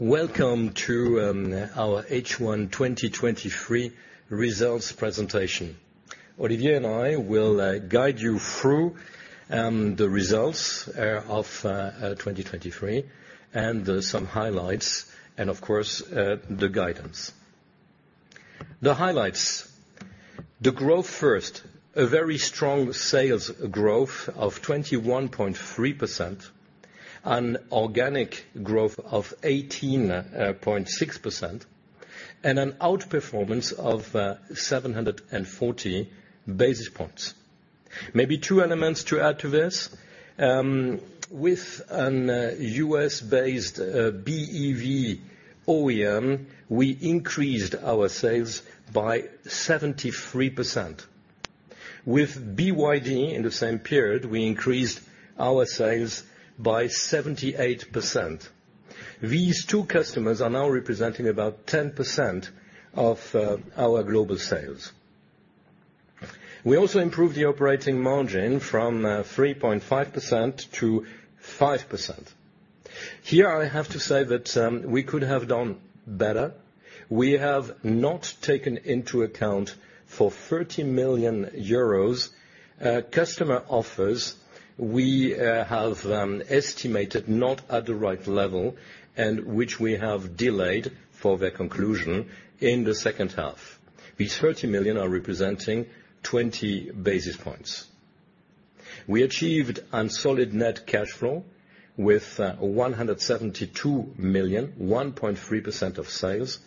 Welcome to our H1 2023 results presentation. Olivier and I will guide you through the results of 2023, and some highlights of course the guidance. The highlights. The growth first, a very strong sales growth of 21.3%, an organic growth of 18.6%, and an outperformance of 740 basis points. Maybe two elements to add to this With an US-based BEV OEM, we increased our sales by 73%. With BYD in the same period, we increased our sales by 78%. These two customers are now representing about 10% of our global sales. We also improved the operating margin from 3.5%-5%. Here, I have to say that we could have done better. We have not taken into account for 30 million euros customer offers we have estimated not at the right level, and which we have delayed for their conclusion in the H2. These 30 million are representing 20 basis points. We achieved on solid net cash flow with 172 million, 1.3% of sales,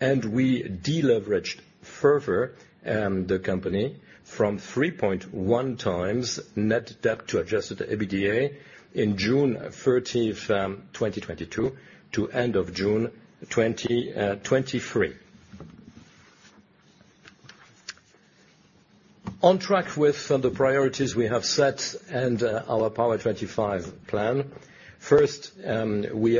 and we deleveraged further the company from 3.1x net debt to adjusted EBITDA in June 13th, 2022 to end of June, 2023. On track with the priorities we have set and our POWER25 plan. First, we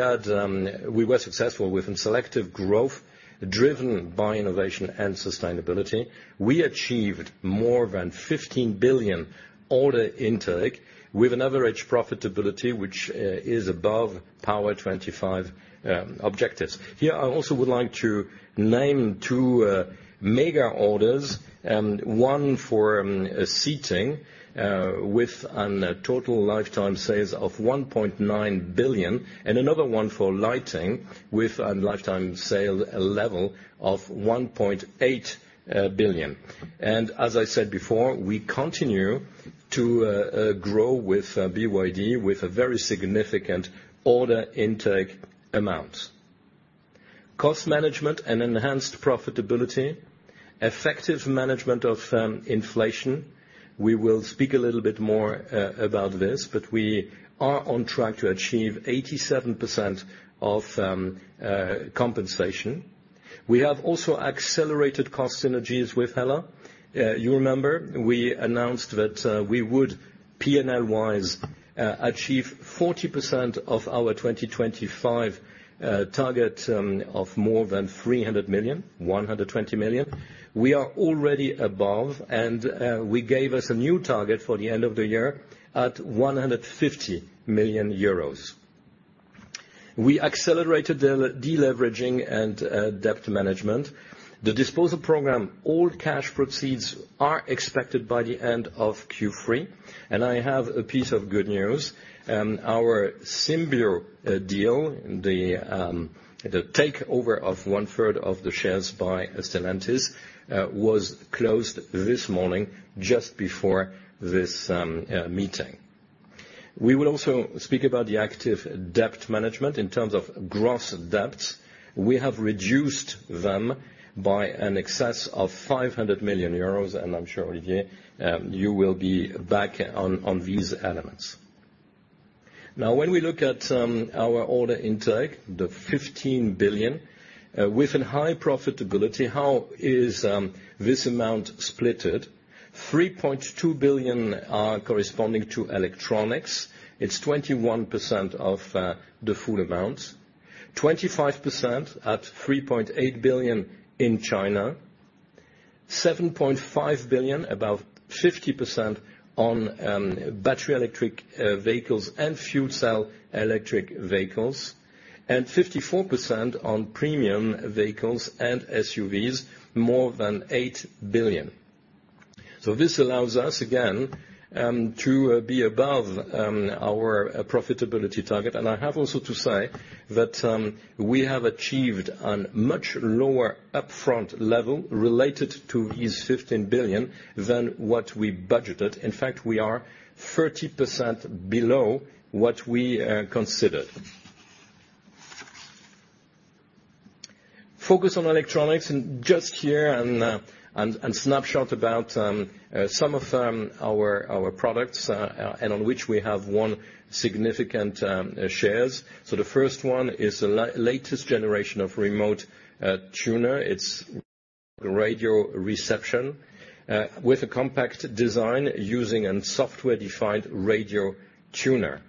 were successful with selective growth, driven by innovation and sustainability. We achieved more than 15 billion order intake with an average profitability, which is above POWER25 objectives. Here, I also would like to name two mega orders, one for a Seating with an total lifetime sales of 1.9 billion, and another one for Lighting, with a lifetime sale level of 1.8 billion. As I said before, we continue to grow with BYD, with a very significant order intake amount. Cost management and enhanced profitability, effective management of inflation. We will speak a little bit more about this, but we are on track to achieve 87% of compensation. We have also accelerated cost synergies with Hella. You remember, we announced that we would, PNL-wise, achieve 40% of our 2025 target of more than 300 million, 120 million. We are already above, we gave us a new target for the end of the year at 150 million euros. We accelerated the deleveraging and debt management. The disposal program, all cash proceeds are expected by the end of Q3. I have a piece of good news. Our Symbio deal, the takeover of one third of the shares by Stellantis, was closed this morning, just before this meeting. We will also speak about the active debt management in terms of gross debts. We have reduced them by an excess of 500 million euros. I'm sure, Olivier, you will be back on these elements. When we look at our order intake, the 15 billion with a high profitability, how is this amount splitted? 3.2 billion are corresponding to Electronics. It's 21% of the full amount, 25% at 3.8 billion in China, 7.5 billion, about 50% on Battery Electric Vehicles and Fuel Cell Electric Vehicles, and 54% on premium vehicles and SUVs, more than 8 billion. This allows us, again, to be above our profitability target. I have also to say that we have achieved a much lower upfront level related to this 15 billion than what we budgeted. In fact, we are 30% below what we considered. Focus on Electronics, just here, a snapshot about some of our products and on which we have won significant shares. The first one is the latest generation of remote tuner. It's radio reception, with a compact design using a software-defined radio tuner.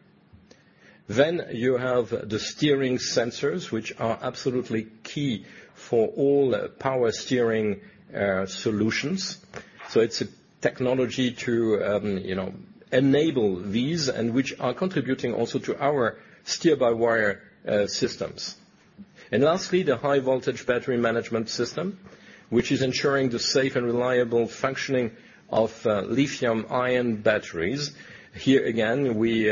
You have the steering sensors, which are absolutely key for all power steering solutions. It's a technology to, you know, enable these, and which are contributing also to our steer-by-wire systems. Lastly, the high-voltage battery management system, which is ensuring the safe and reliable functioning of lithium-ion batteries. Here again, we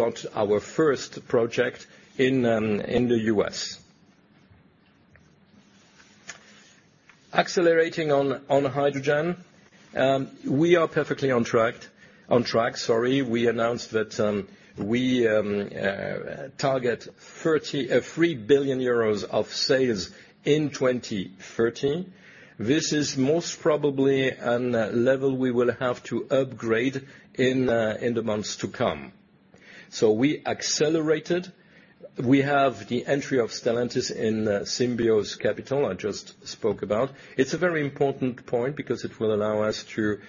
got our first project in the U.S. Accelerating on hydrogen. We are perfectly on track, sorry. We announced that we target 3 billion euros of sales in 2030. This is most probably a level we will have to upgrade in the months to come. We accelerated. We have the entry of Stellantis in Symbio's capital, I just spoke about. It's a very important point because it will allow us to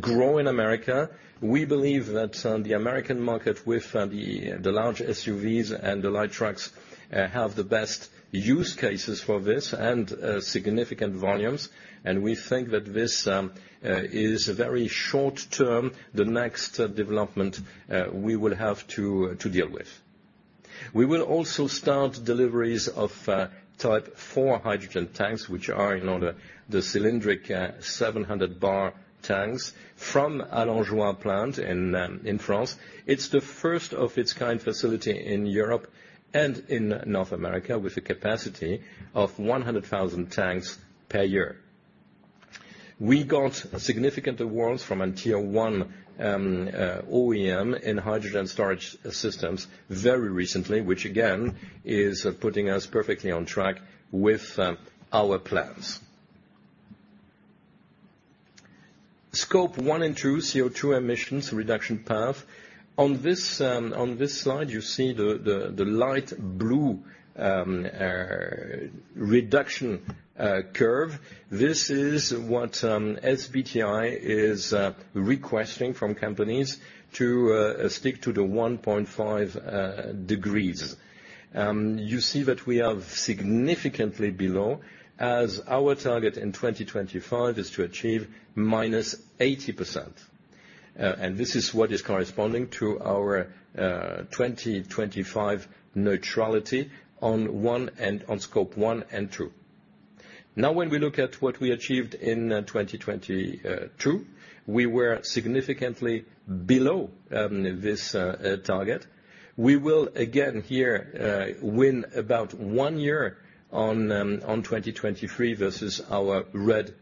grow in America. We believe that the American market, with the large SUVs and the light trucks, have the best use cases for this and significant volumes. We think that this is very short-term, the next development, we will have to deal with. We will also start deliveries of type 4 hydrogen tanks, which are in order, the cylindrical, 700 bar tanks from Allenjoie plant in France. It's the first of its kind facility in Europe and in North America, with a capacity of 100,000 tanks per year. We got significant awards from a tier 1 OEM in hydrogen storage systems very recently, which, again, is putting us perfectly on track with our plans. Scope 1 and 2 CO2 emissions reduction path. On this slide, you see the light blue reduction curve. This is what SBTI is requesting from companies to stick to the 1.5 degrees. You see that we are significantly below, as our target in 2025 is to achieve -80%. This is what is corresponding to our 2025 neutrality on one end, on Scope 1 and 2. Now, when we look at what we achieved in 2022, we were significantly below this target. We will again, here, win about 1 year on 2023 versus our red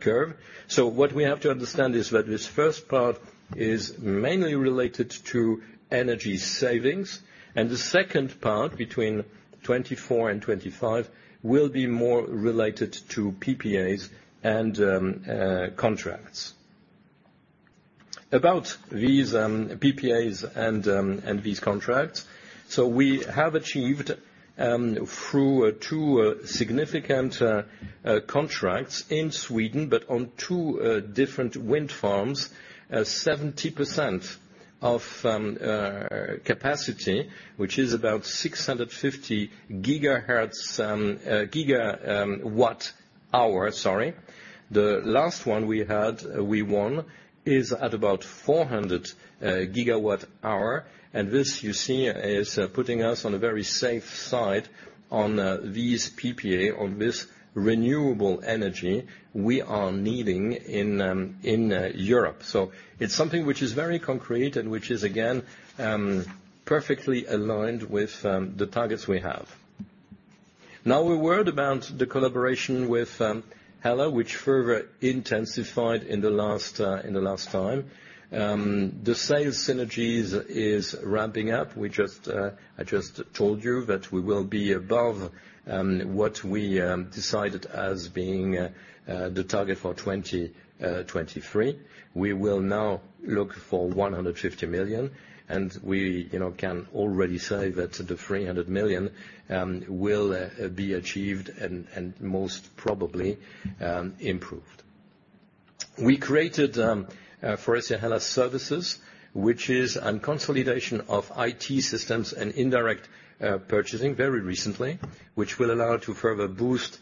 curve. What we have to understand is that this first part is mainly related to energy savings, and the second part, between 2024 and 2025, will be more related to PPAs and contracts. About these PPAs and these contracts, we have achieved through 2 significant contracts in Sweden, but on 2 different wind farms, 70% of capacity, which is about 650 gigawatt hours, sorry. The last one we had, we won, is at about 400 gigawatt hour. This, you see, is putting us on a very safe side on these PPA, on this renewable energy we are needing in Europe. It's something which is very concrete and which is, again, perfectly aligned with the targets we have. Now, a word about the collaboration with Hella, which further intensified in the last time. The sales synergies is ramping up. I just told you that we will be above what we decided as being the target for 2023. We will now look for 150 million, and we, you know, can already say that the 300 million will be achieved and most probably improved. We created FORVIA HELLA Services, which is a consolidation of IT systems and indirect purchasing very recently, which will allow to further boost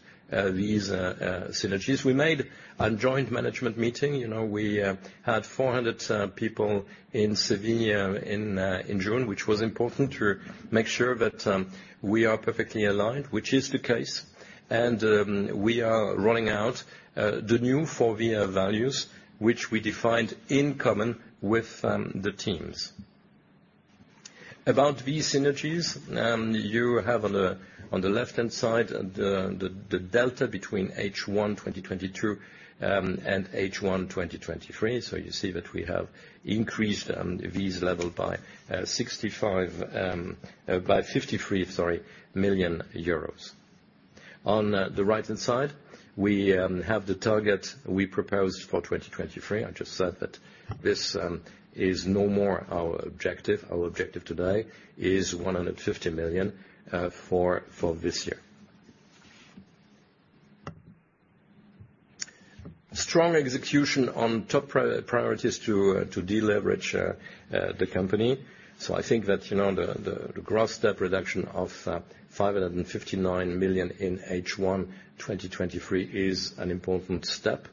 these synergies. We made a joint management meeting. You know, we had 400 people in Seville in June, which was important to make sure that we are perfectly aligned, which is the case. We are rolling out the new Faurecia values, which we defined in common with the teams. About these synergies, you have on the left-hand side, the delta between H1 2022 and H1 2023. You see that we have increased this level by 53 million euros. On the right-hand side, we have the target we proposed for 2023. I just said that this is no more our objective. Our objective today is 150 million for this year. Strong execution on top priorities to deleverage the company. I think that, you know, the gross debt reduction of 559 million in H1 2023 is an important step.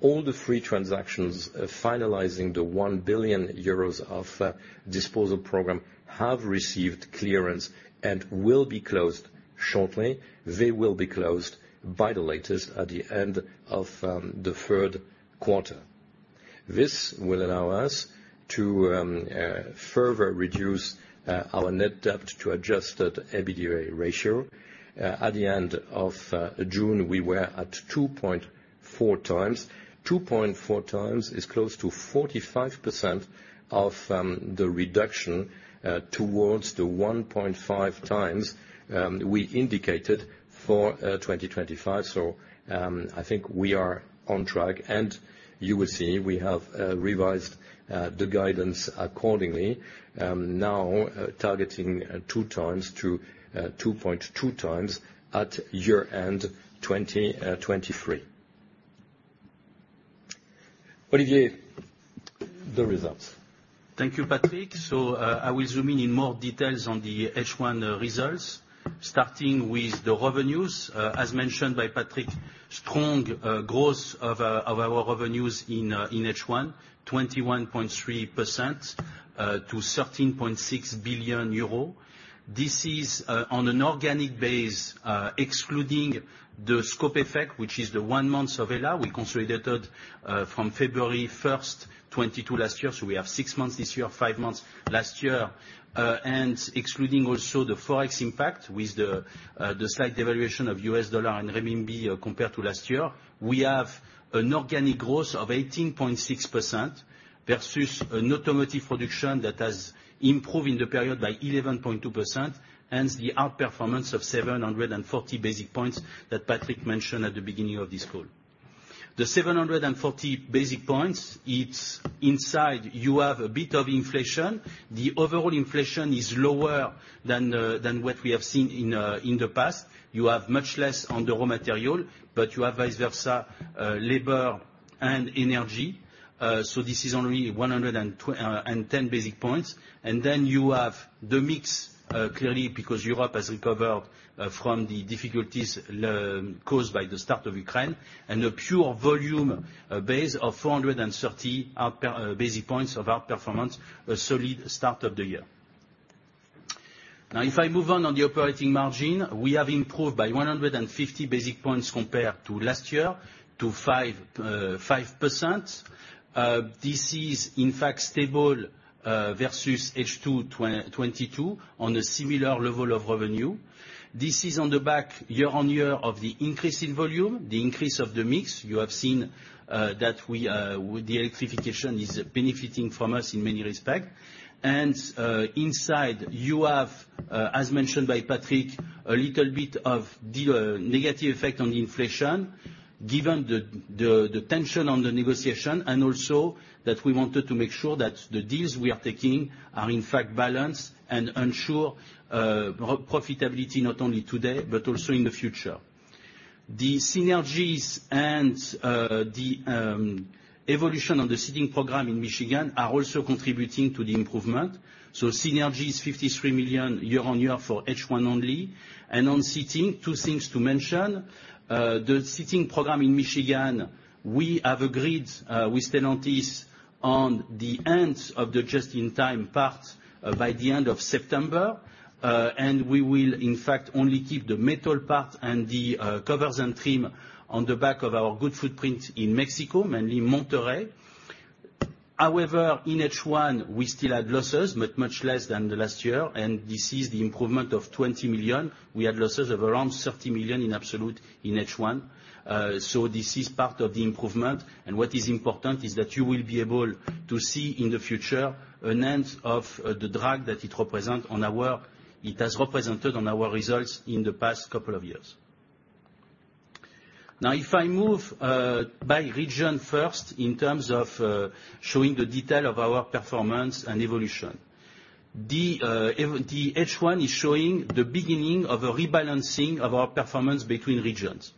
All the three transactions finalizing the 1 billion euros of disposal program have received clearance and will be closed shortly. They will be closed by the latest at the end of the Q3. This will allow us to further reduce our net debt to adjusted EBITDA ratio. At the end of June, we were at 2.4 times. 2.4 times is close to 45% of the reduction towards the 1.5 times we indicated for 2025. I think we are on track, and you will see we have revised the guidance accordingly. Now, targeting 2 times-2.2 times at year-end 2023. Olivier, the results. Thank you, Patrick. I will zoom in in more details on the H1 results, starting with the revenues. As mentioned by Patrick, strong growth of our revenues in H1, 21.3%, to 13.6 billion euro. This is on an organic base, excluding the scope effect, which is the one month of Hella. We consolidated from February 1st, 2022 last year, so we have six months this year, five months last year. Excluding also the Forex impact with the slight devaluation of US dollar and renminbi compared to last year. We have an organic growth of 18.6% versus an automotive production that has improved in the period by 11.2%, hence the outperformance of 740 basis points that Patrick mentioned at the beginning of this call. The 740 basis points, it's inside, you have a bit of inflation. The overall inflation is lower than what we have seen in the past. You have much less on the raw material, but you have, vice versa, labor and energy. This is only 110 basis points. Then you have the mix, clearly, because Europe has recovered from the difficulties caused by the start of Ukraine, and a pure volume base of 430 basis points of outperformance, a solid start of the year. Now, if I move on the operating margin, we have improved by 150 basis points compared to last year, to 5%. This is, in fact, stable versus H2 2022 on a similar level of revenue. This is on the back, year-over-year, of the increase in volume, the increase of the mix. You have seen that we, with the electrification is benefiting from us in many respects. Inside, you have, as mentioned by Patrick, a little bit of the negative effect on inflation, given the tension on the negotiation, and also that we wanted to make sure that the deals we are taking are, in fact, balanced and ensure pro-profitability, not only today, but also in the future. The synergies and the evolution on the Seating program in Michigan are also contributing to the improvement. Synergies, 53 million year-on-year for H1 only. On seating, 2 things to mention: the Seating program in Michigan, we have agreed with Stellantis on the end of the JIT part by the end of September. We will, in fact, only keep the metal part and the covers and trim on the back of our good footprint in Mexico, mainly Monterrey. In H1, we still had losses, but much less than the last year, and this is the improvement of 20 million. We had losses of around 30 million in absolute in H1. This is part of the improvement, and what is important is that you will be able to see in the future an end of the drag that it has represented on our results in the past couple of years. If I move by region first, in terms of showing the detail of our performance and evolution. The H1 is showing the beginning of a rebalancing of our performance between regions.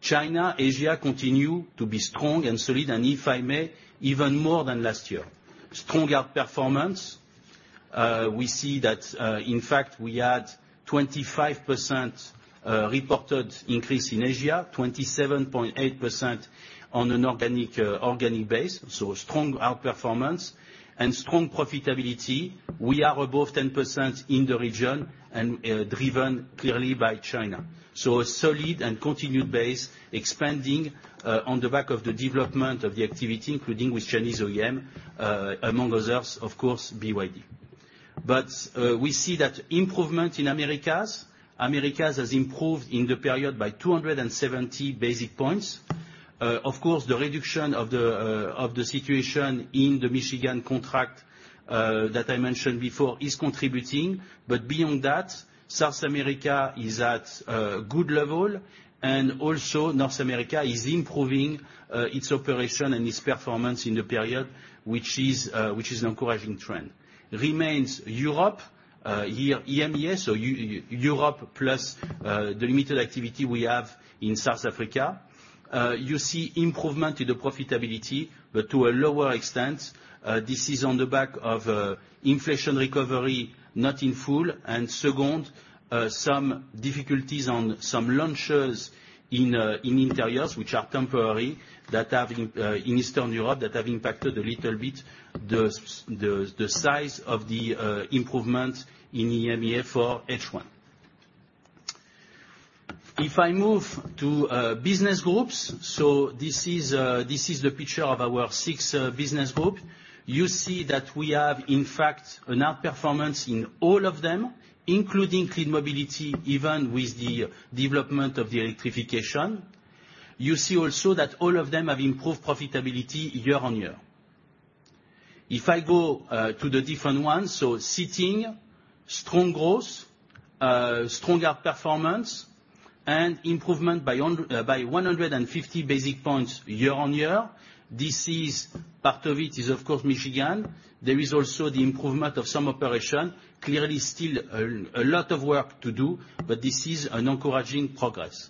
China, Asia, continue to be strong and solid, and if I may, even more than last year. Strong outperformance. We see that, in fact, we had 25% reported increase in Asia, 27.8% on an organic organic base, so strong outperformance and strong profitability. We are above 10% in the region and driven clearly by China. A solid and continued base, expanding on the back of the development of the activity, including with Chinese OEM, among others, of course, BYD. We see that improvement in Americas. Americas has improved in the period by 270 basis points. Of course, the reduction of the of the situation in the Michigan contract that I mentioned before, is contributing. Beyond that, South America is at a good level, and also North America is improving its operation and its performance in the period, which is which is an encouraging trend. Remains Europe, here EMEA, so Europe plus the limited activity we have in South Africa. You see improvement in the profitability, but to a lower extent. This is on the back of inflation recovery, not in full, and second, some difficulties on some launches in Interiors, which are temporary, that have in Eastern Europe, that have impacted a little bit the size of the improvement in EMEA for H1. If I move to business groups, so this is the picture of our six business group. You see that we have, in fact, an outperformance in all of them, including Clean Mobility, even with the development of the electrification. You see also that all of them have improved profitability year-on-year. If I go to the different ones, Seating, strong growth, stronger performance, and improvement by 150 basis points year-over-year. This is, part of it is, of course, Michigan. There is also the improvement of some operation. Clearly, still a lot of work to do, but this is an encouraging progress.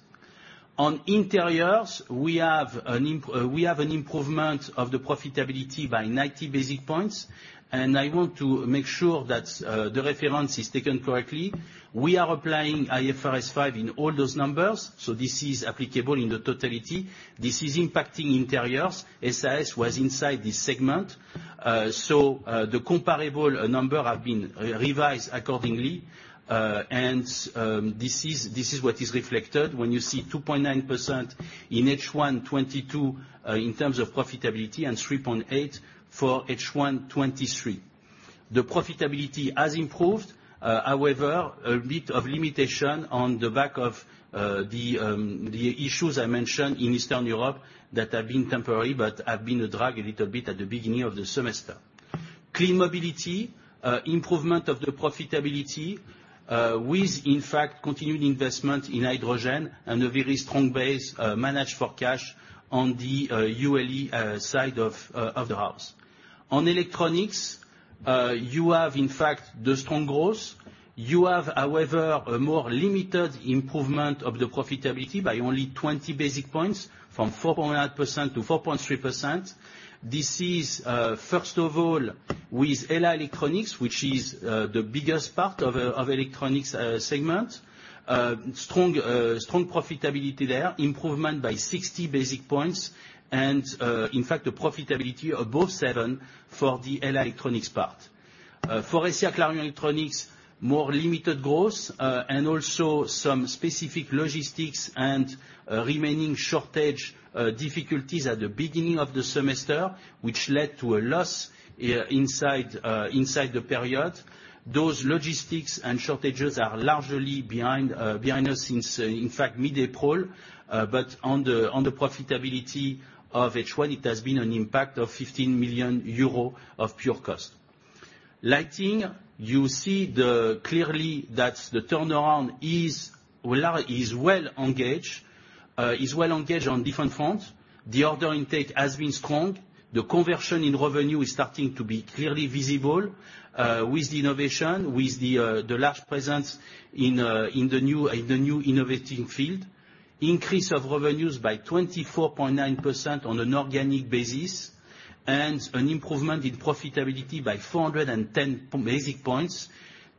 On Interiors, we have an improvement of the profitability by 90 basis points, and I want to make sure that the reference is taken correctly. We are applying IFRS 5 in all those numbers. This is applicable in the totality. This is impacting Interiors. SAS was inside this segment, the comparable number have been revised accordingly. This is what is reflected when you see 2.9% in H1 2022 in terms of profitability, and 3.8% for H1 2023. The profitability has improved, however, a bit of limitation on the back of the issues I mentioned in Eastern Europe that have been temporary, but have been a drag a little bit at the beginning of the semester. Clean Mobility improvement of the profitability with, in fact, continuing investment in hydrogen and a very strong base managed for cash on the ULE side of the house. On Electronics, you have, in fact, the strong growth. You have, however, a more limited improvement of the profitability by only 20 basis points, from 4.0%-4.3%. This is, first of all, with Hella Electronics, which is the biggest part of electronics segment. Strong profitability there, improvement by 60 basis points, and, in fact, the profitability above 7 for the Hella Electronics part. For Faurecia Clarion Electronics, more limited growth, and also some specific logistics and remaining shortage difficulties at the beginning of the semester, which led to a loss inside the period. Those logistics and shortages are largely behind us since, in fact, mid-April, but on the profitability of H1, it has been an impact of 15 million euro of pure cost. Lighting, you see clearly that the turnaround is well engaged on different fronts. The order intake has been strong. the key points from the provided text: The text describes a visible conversion in revenue, attributed to innovation and a strong presence in new, innovative fields. This has resulted in a 24.9% increase in organic revenues. Profitability has also significantly improved, rising by 410 basis points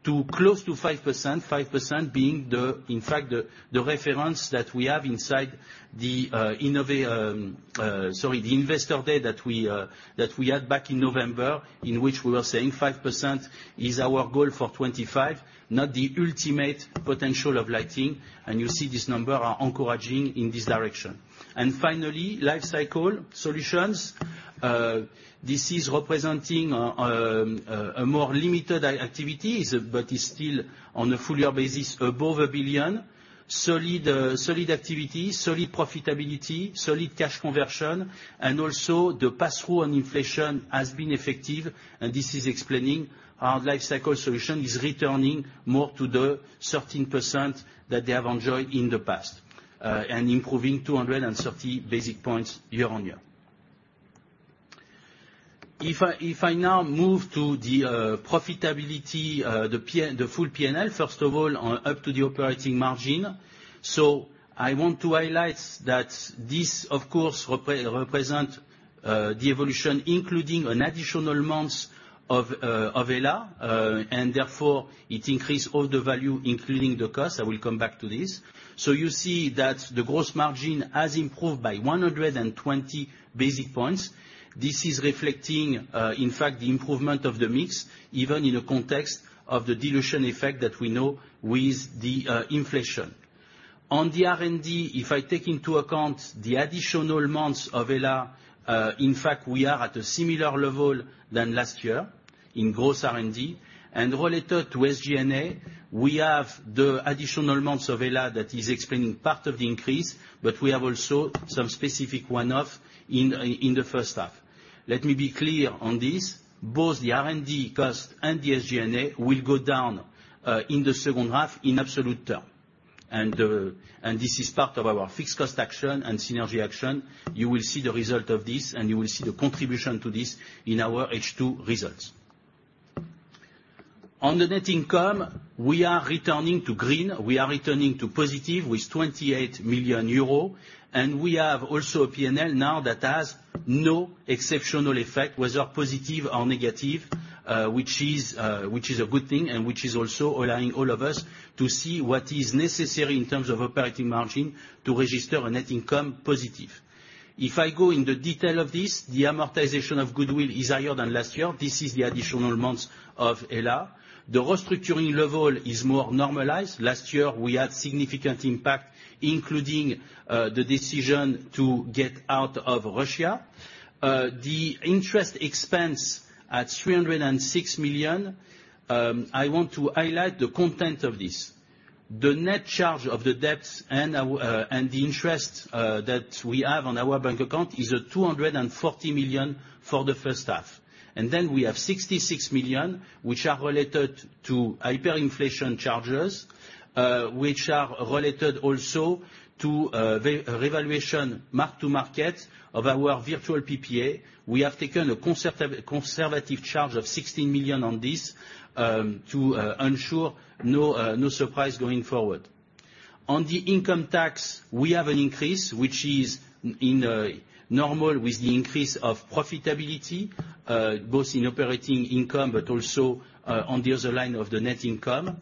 to nearly 5%. This 5% figure is highlighted as a key reference point from a previous investor day in November, where it was set as a goal for 2025, not the ultimate potential for lighting. The current numbers are seen as encouraging progress towards this goal. Finally, the text mentions "Life Cycle Solutions" as a smaller activity, but one that still generates over EUR 1 billion on a full-year basis Solid activity, solid profitability, solid cash conversion, and also the pass-through on inflation has been effective, and this is explaining our Lifecycle Solutions is returning more to the 13% that they have enjoyed in the past, and improving 230 basis points year-on-year. If I now move to the profitability, the full PNL, first of all, on up to the operating margin. I want to highlight that this, of course, represent the evolution, including an additional months of Hella, and therefore it increased all the value, including the cost. I will come back to this. You see that the gross margin has improved by 120 basis points. This is reflecting, in fact, the improvement of the mix, even in the context of the dilution effect that we know with the inflation. On the R&D, if I take into account the additional months of Hella, in fact, we are at a similar level than last year in gross R&D. Related to SG&A, we have the additional months of Hella that is explaining part of the increase, but we have also some specific one-off in the H1. Let me be clear on this, both the R&D cost and the SG&A will go down in the H2 in absolute terms. This is part of our fixed cost action and synergy action. You will see the result of this, and you will see the contribution to this in our H2 results. On the net income, we are returning to green. We are returning to positive with 28 million euro. We have also a PNL now that has no exceptional effect, whether positive or negative, which is a good thing, and which is also allowing all of us to see what is necessary in terms of operating margin to register a net income positive. If I go in the detail of this, the amortization of goodwill is higher than last year. This is the additional months of Hella. The restructuring level is more normalized. Last year, we had significant impact, including the decision to get out of Russia. The interest expense at 306 million, I want to highlight the content of this. The net charge of the debt and our and the interest that we have on our bank account is 240 million for the H1, and then we have 66 million, which are related to hyperinflation charges, which are related also to the revaluation mark to market of our virtual PPA. We have taken a conservative charge of 16 million on this to ensure no surprise going forward. On the income tax, we have an increase, which is in normal with the increase of profitability, both in operating income, but also on the other line of the net income.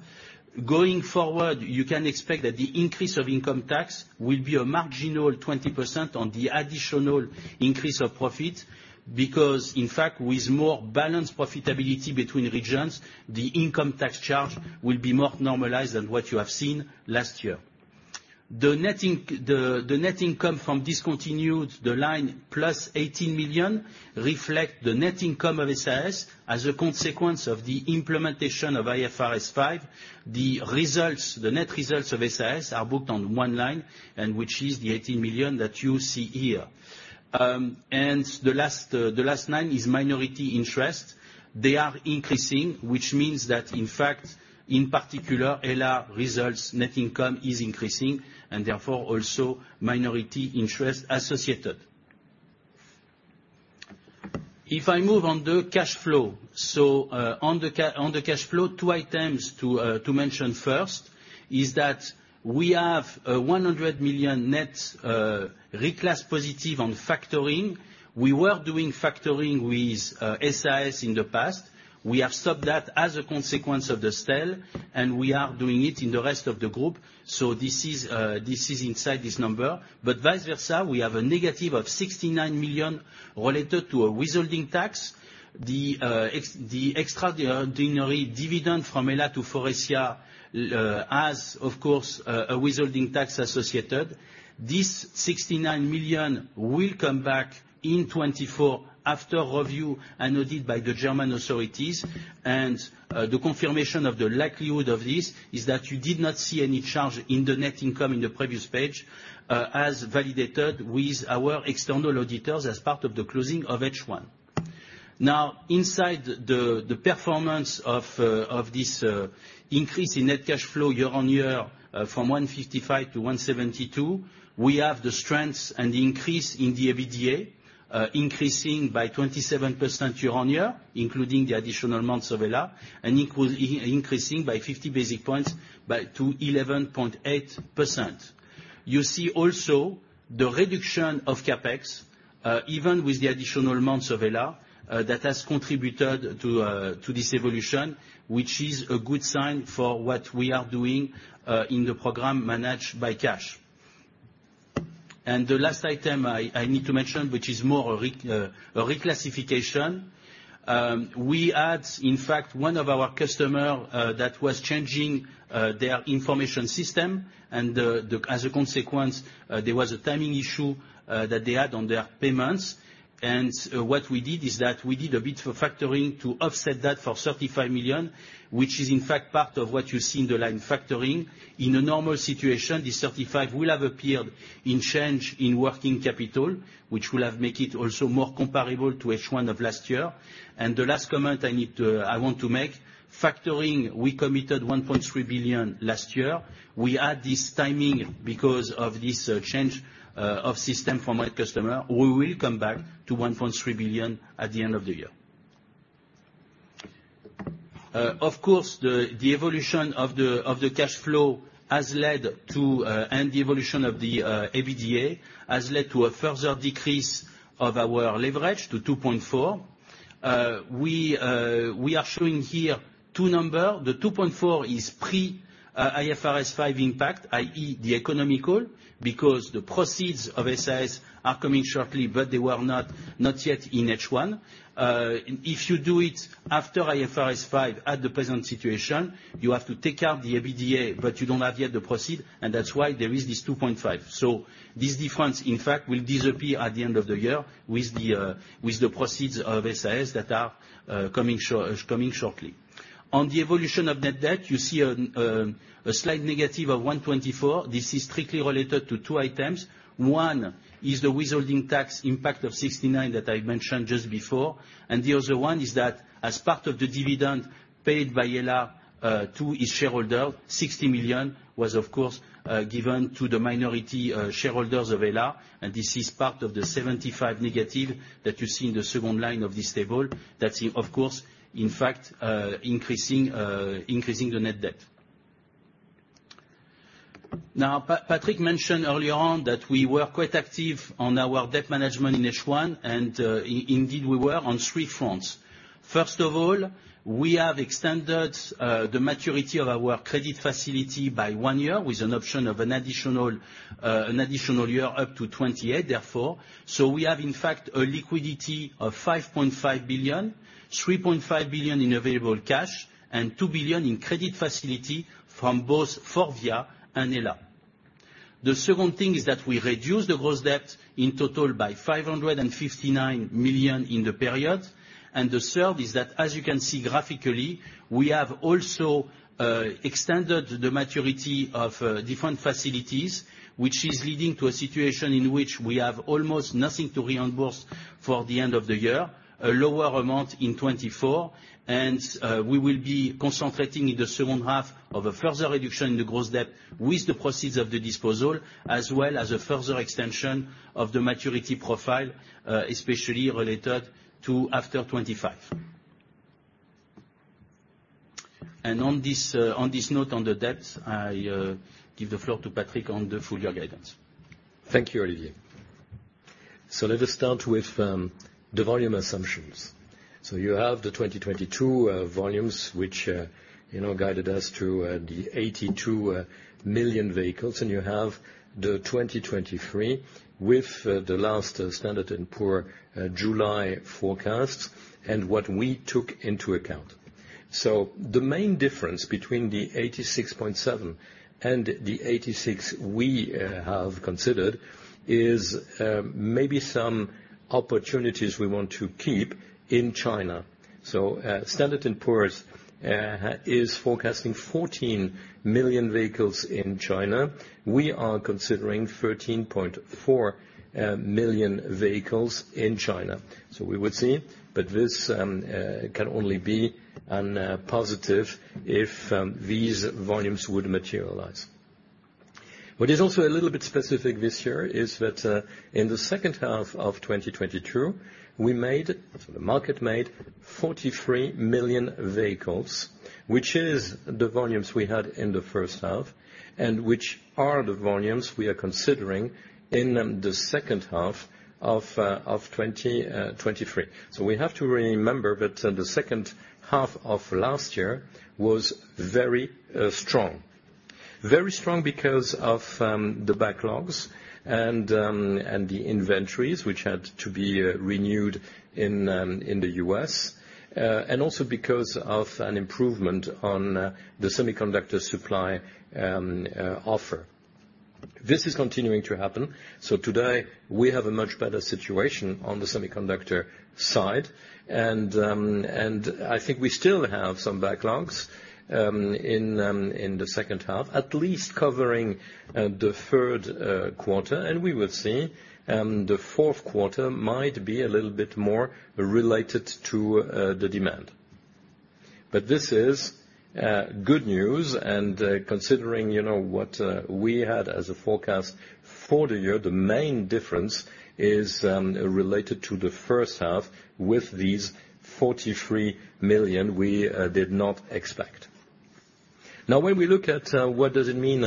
Going forward, you can expect that the increase of income tax will be a marginal 20% on the additional increase of profit, because, in fact, with more balanced profitability between regions, the income tax charge will be more normalized than what you have seen last year. The netting, the net income from discontinued, the line plus 18 million, reflect the net income of SAS as a consequence of the implementation of IFRS 5. The results, the net results of SAS are booked on one line, and which is the 18 million that you see here. The last line is minority interest. They are increasing, which means that, in fact, in particular, Hella results, net income is increasing, and therefore, also minority interest associated. If I move on the cash flow. On the cash flow, two items to mention first, is that we have a 100 million net reclass positive on factoring. We were doing factoring with SAS in the past. We have stopped that as a consequence of the sale, and we are doing it in the rest of the group, so this is inside this number. Vice versa, we have a negative of 69 million related to a withholding tax. The extraordinary dividend from Hella to Faurecia has, of course, a withholding tax associated. This 69 million will come back in 2024 after review and audit by the German authorities. The confirmation of the likelihood of this is that you did not see any charge in the net income in the previous page, as validated with our external auditors as part of the closing of H1. Now, inside the performance of this increase in net cash flow year-on-year, from 155 to 172, we have the strengths and the increase in the EBITDA, increasing by 27% year-on-year, including the additional months of Hella, and equal, increasing by 50 basis points to 11.8%. You see also the reduction of CapEx, even with the additional months of Hella, that has contributed to this evolution, which is a good sign for what we are doing in the program Managed by Cash. The last item I need to mention, which is more a reclassification. We had, in fact, one of our customer that was changing their information system, as a consequence, there was a timing issue that they had on their payments. What we did is that we did a bit of factoring to offset that for 35 million, which is in fact, part of what you see in the line factoring. In a normal situation, this 35 will have appeared in change in working capital, which will have make it also more comparable to H1 of last year. The last comment I want to make, factoring, we committed 1.3 billion last year. We add this timing because of this change of system from our customer. We will come back to 1.3 billion at the end of the year. Of course, the evolution of the cash flow has led to, and the evolution of the EBITDA, has led to a further decrease of our leverage to 2.4. We are showing here two number. The 2.4 is pre-IFRS 5 impact, i.e., the economical, because the proceeds of SAS are coming shortly, but they were not yet in H1. If you do it after IFRS 5, at the present situation, you have to take out the EBITDA, but you don't have yet the proceed. That's why there is this 2.5. This difference, in fact, will disappear at the end of the year with the proceeds of SAS that are coming shortly. On the evolution of net debt, you see a slight negative of 124 million. This is strictly related to two items. One is the withholding tax impact of 69 million that I mentioned just before, and the other one is that as part of the dividend paid by Hella to its shareholder, 60 million was of course given to the minority shareholders of Hella, and this is part of the -75 million that you see in the second line of this table. That's, of course, in fact, increasing the net debt. Patrick mentioned early on that we were quite active on our debt management in H1. Indeed, we were on three fronts. First of all, we have extended the maturity of our credit facility by one year, with an option of an additional, an additional year, up to 2028, therefore. We have, in fact, a liquidity of 5.5 billion, 3.5 billion in available cash, and 2 billion in credit facility from both FORVIA and Hella. The second thing is that we reduced the gross debt in total by 559 million in the period. The third is that, as you can see graphically, we have also extended the maturity of different facilities, which is leading to a situation in which we have almost nothing to reimburse for the end of the year, a lower amount in 2024. We will be concentrating in the H2 of a further reduction in the gross debt with the proceeds of the disposal, as well as a further extension of the maturity profile, especially related to after 2025. On this note, on the debt, I give the floor to Patrick on the full year guidance. Thank you, Olivier. Let us start with the volume assumptions. You have the 2022 volumes, which, you know, guided us to the 82 million vehicles, and you have the 2023, with the last Standard & Poor's July forecasts, and what we took into account. The main difference between the 86.7 and the 86 we have considered is maybe some opportunities we want to keep in China. S&P Global Ratings is forecasting 14 million vehicles in China. We are considering 13.4 million vehicles in China. We would see, but this can only be an positive if these volumes would materialize. What is also a little bit specific this year is that in the H2 of 2022, we made, so the market made 43 million vehicles, which is the volumes we had in the H1, and which are the volumes we are considering in the H2 of 2023. We have to remember that the H2 of last year was very strong. Very strong because of the backlogs and the inventories, which had to be renewed in the US. Also because of an improvement on the semiconductor supply offer. This is continuing to happen, so today we have a much better situation on the semiconductor side, and I think we still have some backlogs in the H2, at least covering the Q3, and we will see. The Q4 might be a little bit more related to the demand. This is good news, and considering, you know, what we had as a forecast for the year, the main difference is related to the H1 with these 43 million we did not expect. Now, when we look at what does it mean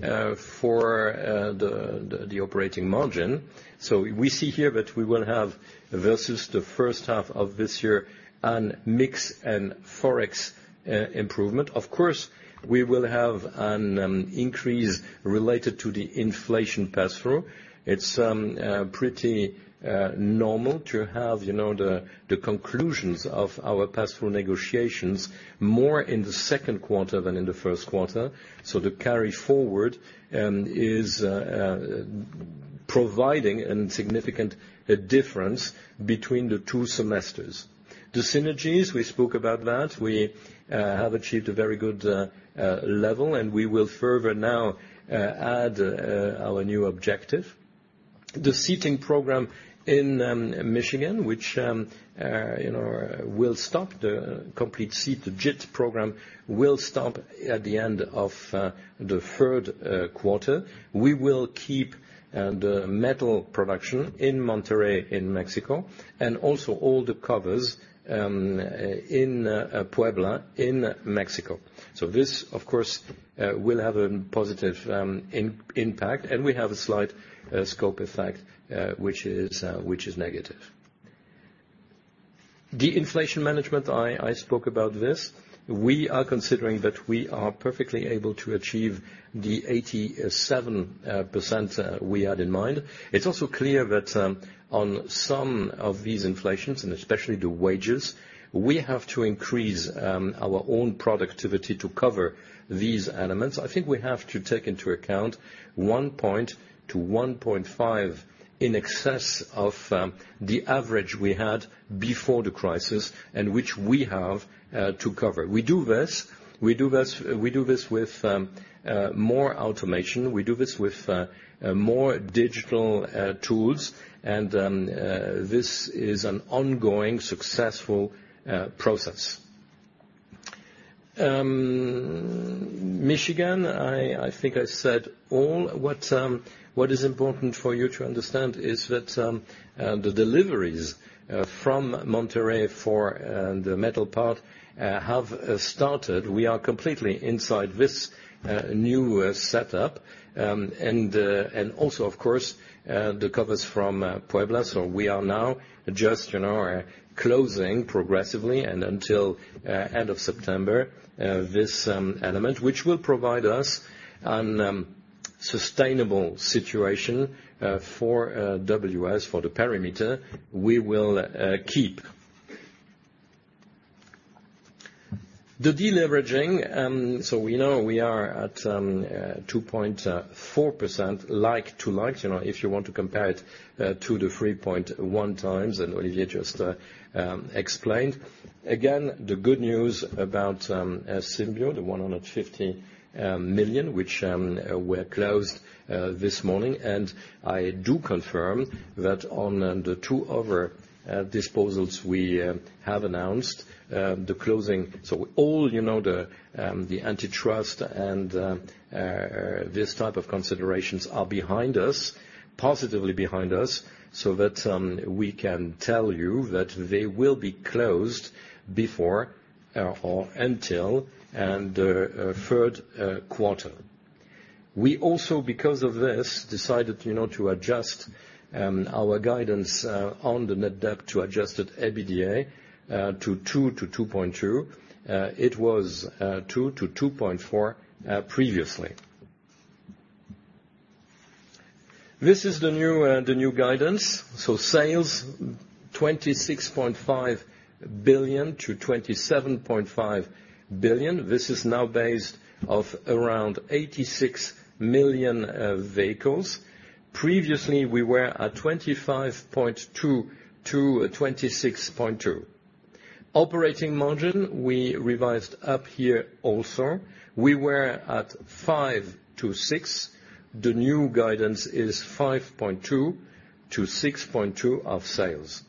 for the operating margin? We see here that we will have, versus the H1 of this year, a mix and Forex improvement. Of course, we will have an increase related to the inflation pass-through. It's pretty normal to have, you know, the conclusions of our pass-through negotiations more in the Q2 than in the Q1. The carry forward is providing a significant difference between the two semesters. The synergies, we spoke about that. We have achieved a very good level, and we will further now add our new objective. The Seating program in Michigan, which, you know, will stop the complete seat, the JIT program, will stop at the end of the Q3. We will keep the metal production in Monterrey, in Mexico, and also all the covers in Puebla, in Mexico. This, of course, will have a positive impact, and we have a slight scope effect, which is negative. The inflation management, I spoke about this. We are considering that we are perfectly able to achieve the 87% we had in mind. It's also clear that on some of these inflations, and especially the wages, we have to increase our own productivity to cover these elements. I think we have to take into account 1.0-1.5 in excess of the average we had before the crisis, and which we have to cover. We do this with more automation. We do this with more digital tools, and this is an ongoing, successful process. Michigan, I think I said all. What is important for you to understand is that the deliveries from Monterrey for the metal part have started. We are completely inside this new setup. Also, of course, the covers from Puebla. We are now just, you know, closing progressively and until end of September, this element, which will provide us a sustainable situation for WS, for the perimeter, we will keep. The deleveraging, we know we are at 2.4%, like to like, you know, if you want to compare it to the 3.1 times, and Olivier just explained. Again, the good news about Symbio, the 150 million, which were closed this morning. I do confirm that on the 2 other disposals we have announced the closing. All, you know, the antitrust and these type of considerations are behind us, positively behind us, that we can tell you that they will be closed before or until, and third quarter. We also, because of this, decided, you know, to adjust our guidance on the net debt to adjusted EBITDA, to 2.0-2.2. It was 2.0-2.4 previously. This is the new guidance. Sales, 26.5 billion-27.5 billion. This is now based off around 86 million vehicles. Previously, we were at 25.2 to 26.2. Operating margin, we revised up here also. We were at 5-6%. The new guidance is 5.2-6.2% of sales.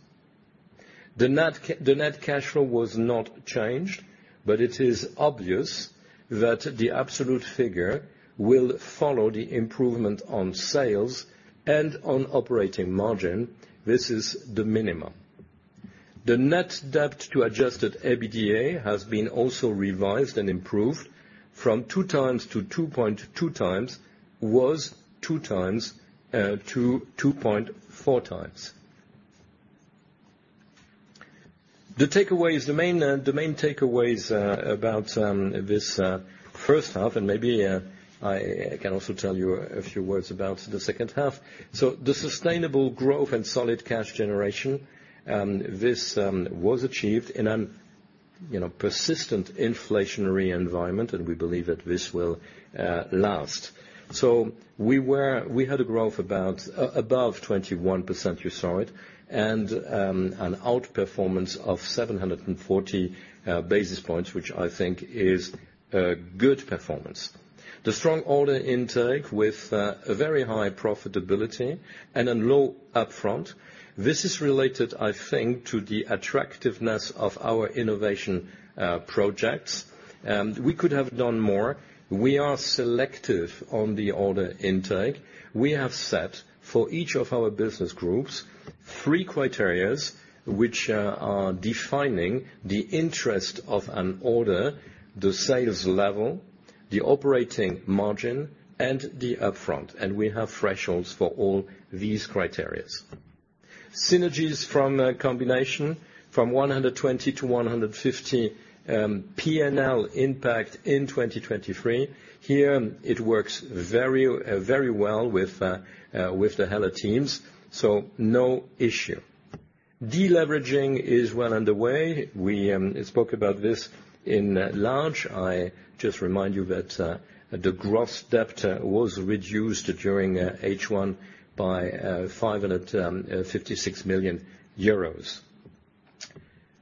The net cash flow was not changed. It is obvious that the absolute figure will follow the improvement on sales and on operating margin. This is the minimum. The net debt to adjusted EBITDA has been also revised and improved from 2x-2.2x, was 2x-2.4x. The takeaways, the main, the main takeaways about this H1, and maybe I can also tell you a few words about the H2. The sustainable growth and solid cash generation, this was achieved in an persistent inflationary environment, and we believe that this will last. We had a growth about above 21%, you saw it, and an outperformance of 740 basis points, which I think is a good performance. The strong order intake with a very high profitability and a low upfront, this is related, I think, to the attractiveness of our innovation projects. We could have done more. We are selective on the order intake. We have set for each of our business groups, three criterias, which are defining the interest of an order, the sales level, the operating margin, and the upfront, and we have thresholds for all these criterias. Synergies from combination from 120 million-150 million PNL impact in 2023. Here, it works very, very well with the Hella teams, so no issue. Deleveraging is well underway. We spoke about this in large. I just remind you that the gross debt was reduced during H1 by 556 million euros.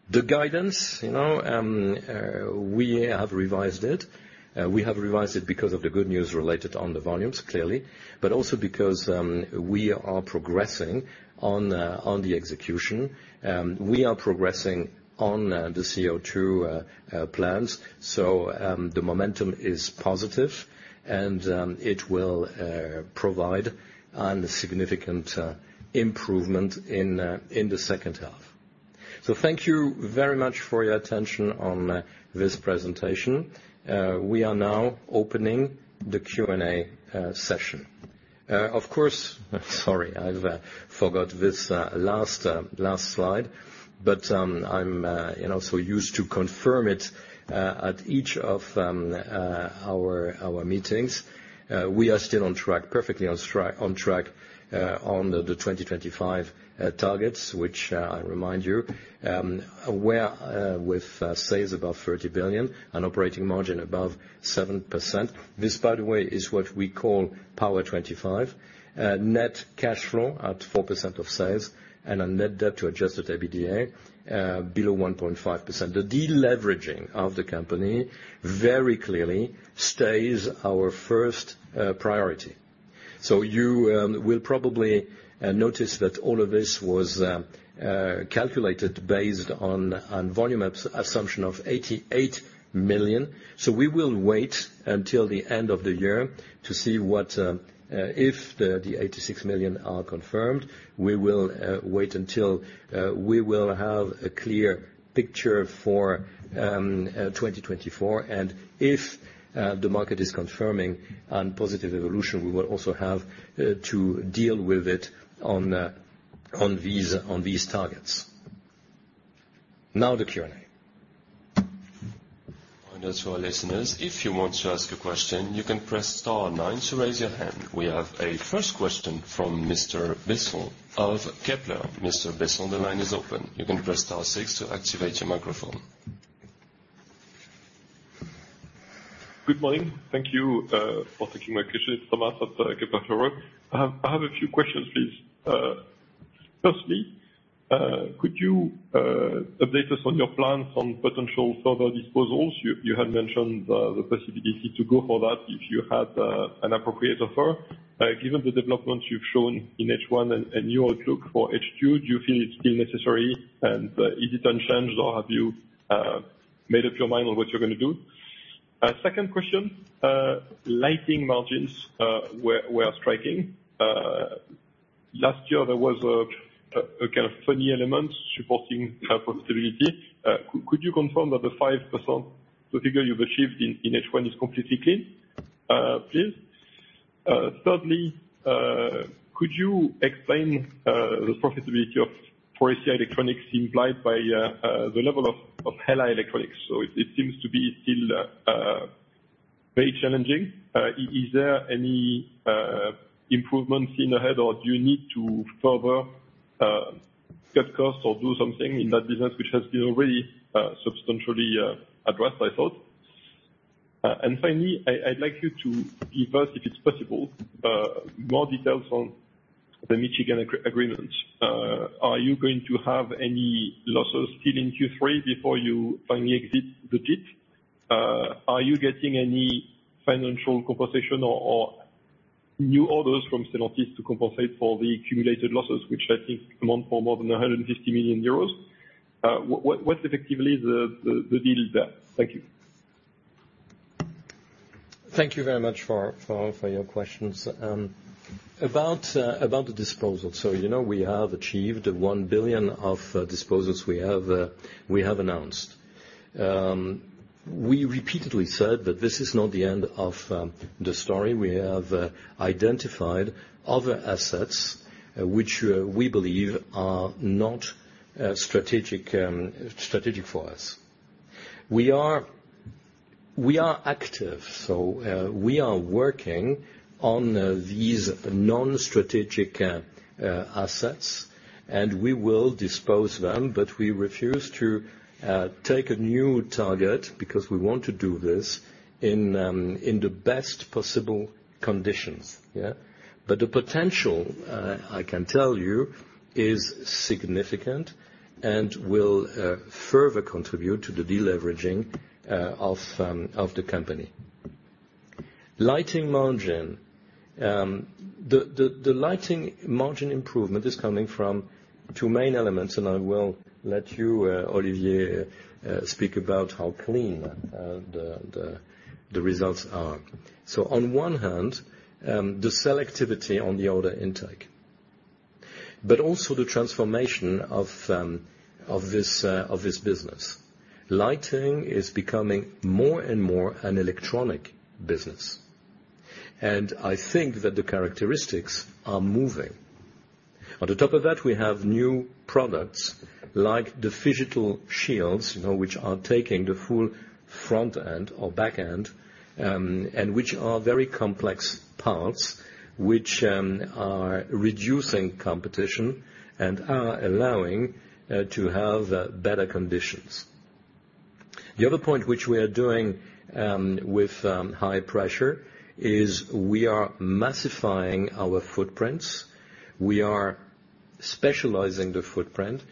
The guidance, you know, we have revised it. We have revised it because of the good news related on the volumes, clearly, but also because we are progressing on the execution. We are progressing on the CO2 plans, so the momentum is positive, and it will provide a significant improvement in theH2. Thank you very much for your attention on this presentation. We are now opening the Q&A session. Sorry, I've forgot this last slide, but I'm, you know, so used to confirm it at each of our meetings. We are still on track, perfectly on track, on the 2025 targets, which I remind you, where with sales above 30 billion and operating margin above 7%. This, by the way, is what we call POWER25. Net cash flow at 4% of sales and a net debt to adjusted EBITDA below 1.5%. The deleveraging of the company very clearly stays our first priority. You will probably notice that all of this was calculated based on volume assumption of 88 million. We will wait until the end of the year to see what if the 86 million are confirmed. We will wait until we will have a clear picture for 2024, and if the market is confirming on positive evolution, we will also have to deal with it on these, on these targets. Now the Q&A. As for our listeners, if you want to ask a question, you can press star nine to raise your hand. We have a first question from Mr. Besson of Kepler. Mr. Besson, the line is open. You can press star six to activate your microphone. Good morning. Thank you for taking my question. It's Thomas at Kepler Cheuvreux. I have a few questions, please. Could you update us on your plans on potential further disposals? You had mentioned the possibility to go for that if you had an appropriate offer. Given the developments you've shown in H1 and your outlook for H2, do you feel it's still necessary, and is it unchanged, or have you made up your mind on what you're gonna do? Lighting margins were striking. Last year there was a kind of funny element supporting profitability. Could you confirm that the 5%, the figure you've achieved in H1, is completely clean, please? Thirdly, could you explain the profitability of FCE Electronics implied by the level of Hella Electronics? It seems to be still very challenging. Is there any improvements seen ahead, or do you need to further cut costs or do something in that business, which has been already substantially addressed, I thought? Finally, I'd like you to give us, if it's possible, more details on the Michigan agree-agreement. Are you going to have any losses still in Q3 before you finally exit the pit? Are you getting any financial compensation or new orders from Stellantis to compensate for the accumulated losses, which I think amount for more than 150 million euros? What's effectively the deal there? Thank you. Thank you very much for your questions. About the disposal, you know, we have achieved 1 billion of disposals we have announced. We repeatedly said that this is not the end of the story. We have identified other assets which we believe are not strategic for us. We are active, we are working on these non-strategic assets, and we will dispose them, but we refuse to take a new target because we want to do this in the best possible conditions. Yeah? The potential, I can tell you, is significant and will further contribute to the deleveraging of the company. Lighting margin. The, the lighting margin improvement is coming from two main elements, and I will let you Olivier speak about how clean the, the results are. On one hand, the selectivity on the order intake, but also the transformation of this business. Lighting is becoming more and more an electronic business, and I think that the characteristics are moving. On the top of that, we have new products like the physical shields, you know, which are taking the full front end or back end, and which are very complex parts, which are reducing competition and are allowing to have better conditions. The other point which we are doing with high pressure is we are massifying our footprints. We are specializing the footprint.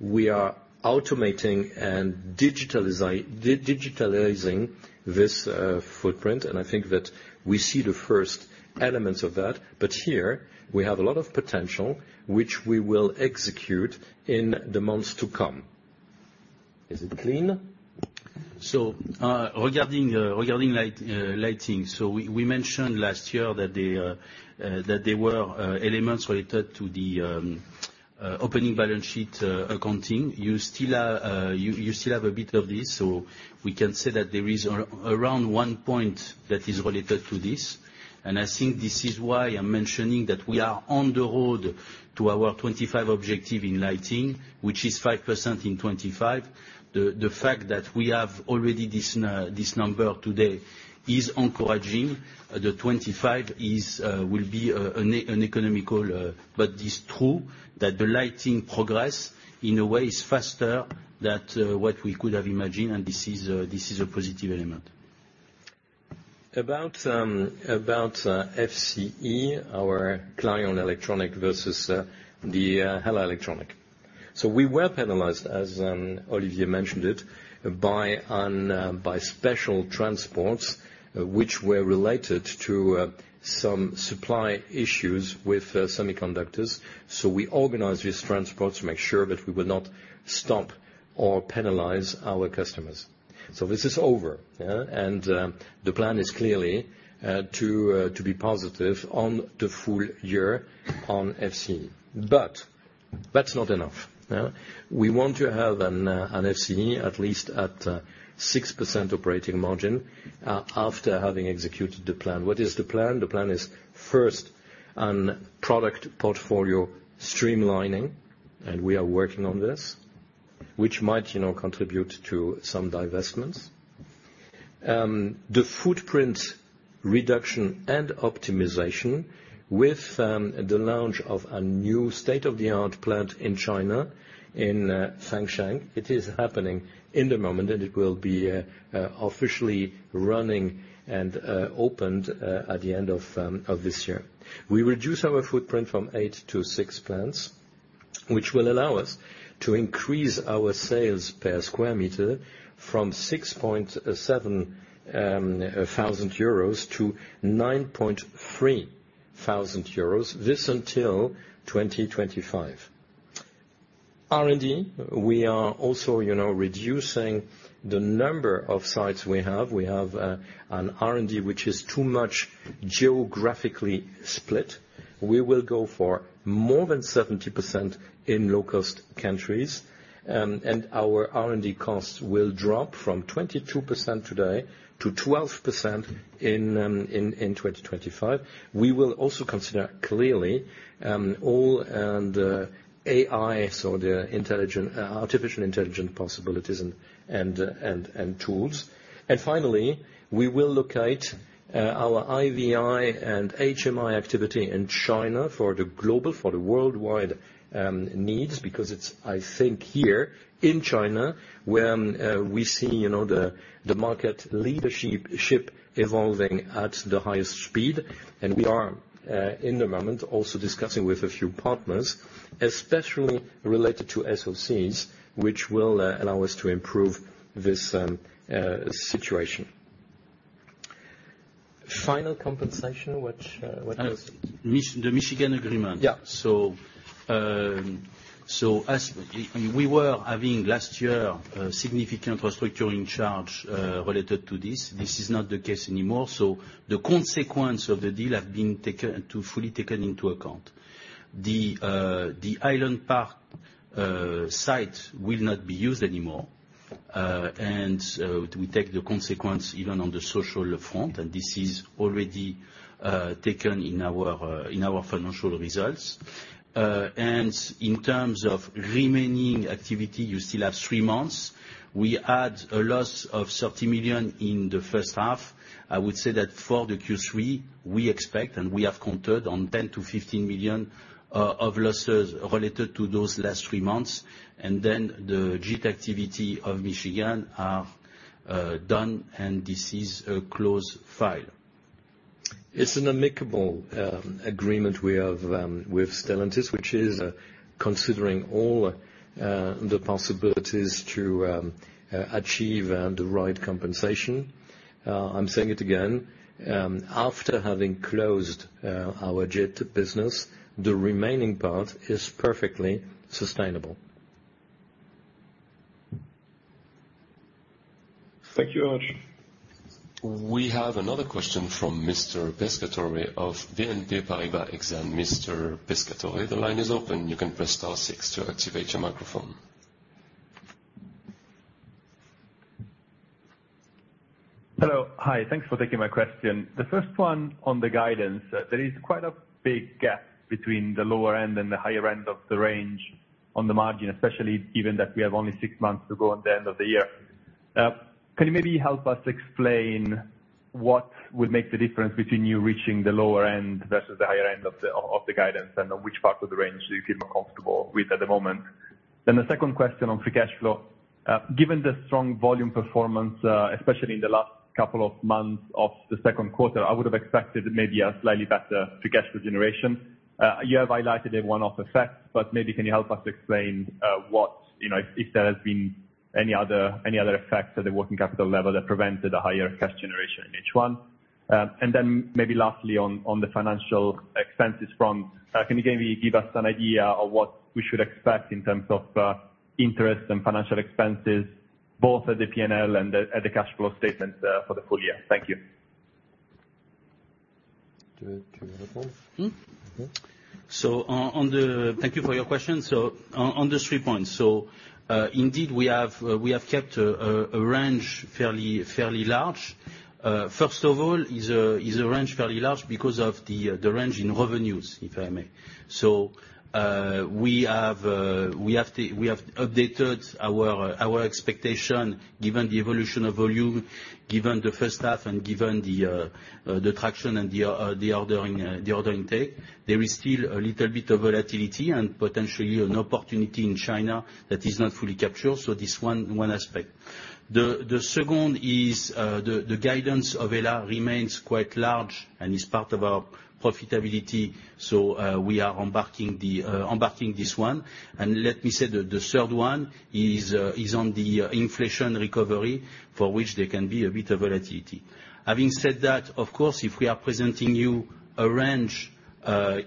We are automating and digitalizing this footprint, I think that we see the first elements of that. Here we have a lot of potential, which we will execute in the months to come. Is it clean? Regarding lighting, we mentioned last year that the elements related to the opening balance sheet accounting. You still have a bit of this, so we can say that there is around 1 point that is related to this. I think this is why I'm mentioning that we are on the road to our 25 objective in lighting, which is 5% in 25. The fact that we have already this number today is encouraging. The 25 will be an economical. It's true that the lighting progress in a way is faster than what we could have imagined, and this is a positive element. About FCE, our Clarion Electronics versus the Hella Electronics. We were penalized, as Olivier mentioned it, by special transports, which were related to some supply issues with semiconductors. We organized these transports to make sure that we would not stop or penalize our customers. This is over, yeah, and the plan is clearly to be positive on the full year on FCE. That's not enough, yeah? We want to have an FCE, at least at 6% operating margin after having executed the plan. What is the plan? The plan is first, an product portfolio streamlining, and we are working on this, which might, you know, contribute to some divestments. The footprint reduction and optimization with the launch of a new state-of-the-art plant in China, in Xiangyang. It is happening in the moment, and it will be officially running and opened at the end of this year. We reduce our footprint from eight to six plants, which will allow us to increase our sales per square meter from 6.7 thousand-9.3 thousand euros. This until 2025. R&D, we are also, you know, reducing the number of sites we have. We have an R&D which is too much geographically split. We will go for more than 70% in low-cost countries, and our R&D costs will drop from 22% today to 12% in 2025. We will also consider, clearly, all and AI, so the intelligent artificial intelligent possibilities and tools. Finally, we will locate our IVI and HMI activity in China for the global, for the worldwide needs, because it's, I think, here in China, where we see, you know, the market leadership evolving at the highest speed. We are in the moment, also discussing with a few partners, especially related to SoC, which will allow us to improve this situation. Final compensation, which. The Michigan agreement. Yeah. We were having last year, a significant restructuring charge related to this. This is not the case anymore. The consequence of the deal have been fully taken into account. The Highland Park site will not be used anymore, and we take the consequence even on the social front, and this is already taken in our financial results. In terms of remaining activity, you still have 3 months. We had a loss of 30 million in the H1. I would say that for the Q3, we expect, and we have countered on 10 million-15 million of losses related to those last 3 months. The JIT activity of Michigan are done, and this is a closed file. It's an amicable agreement we have with Stellantis, which is considering all the possibilities to achieve the right compensation. I'm saying it again, after having closed our JIT business, the remaining part is perfectly sustainable. Thank you very much. We have another question from Mr. Pescatore of BNP Paribas Exane. Mr. Pescatore, the line is open. You can press star six to activate your microphone. Hello. Hi, thanks for taking my question. The first one on the guidance, there is quite a big gap between the lower end and the higher end of the range on the margin, especially given that we have only 6 months to go on the end of the year. Can you maybe help us explain what would make the difference between you reaching the lower end versus the higher end of the, of the guidance, and which part of the range do you feel more comfortable with at the moment? The 2nd question on free cash flow. Given the strong volume performance, especially in the last couple of months of the Q2, I would have expected maybe a slightly better free cash flow generation. You have highlighted a one-off effect, but maybe can you help us explain, what, you know, if there has been any other effects at the working capital level that prevented a higher cash generation in H1? Maybe lastly, on the financial expenses front, can you maybe give us an idea of what we should expect in terms of interest and financial expenses, both at the P&L and at the cash flow statement, for the full year? Thank you. Do you want to respond? Mm-hmm. Okay. On the... Thank you for your question. On the three points, indeed, we have kept a range fairly large. First of all, is a range fairly large because of the range in revenues, if I may. We have updated our expectation, given the evolution of volume, given the H1, and given the traction and the ordering take. There is still a little bit of volatility and potentially an opportunity in China that is not fully captured. This one aspect. The second is, the guidance of Hella remains quite large and is part of our profitability. We are embarking this one. Let me say that the third one is on the inflation recovery, for which there can be a bit of volatility. Having said that, of course, if we are presenting you a range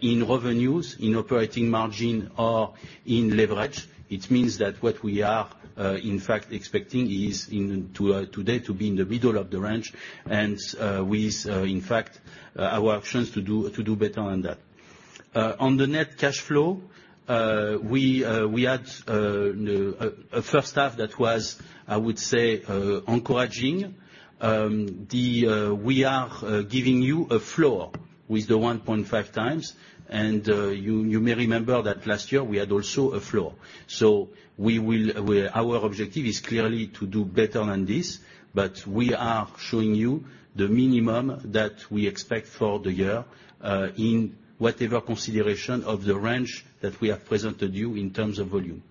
in revenues, in operating margin or in leverage, it means that what we are in fact expecting is today, to be in the middle of the range. With in fact, our options to do better on that. On the net cash flow, we had a H1 that was, I would say, encouraging. We are giving you a floor with the 1.5x, you may remember that last year we had also a floor. Our objective is clearly to do better than this, but we are showing you the minimum that we expect for the year, in whatever consideration of the range that we have presented you in terms of volume.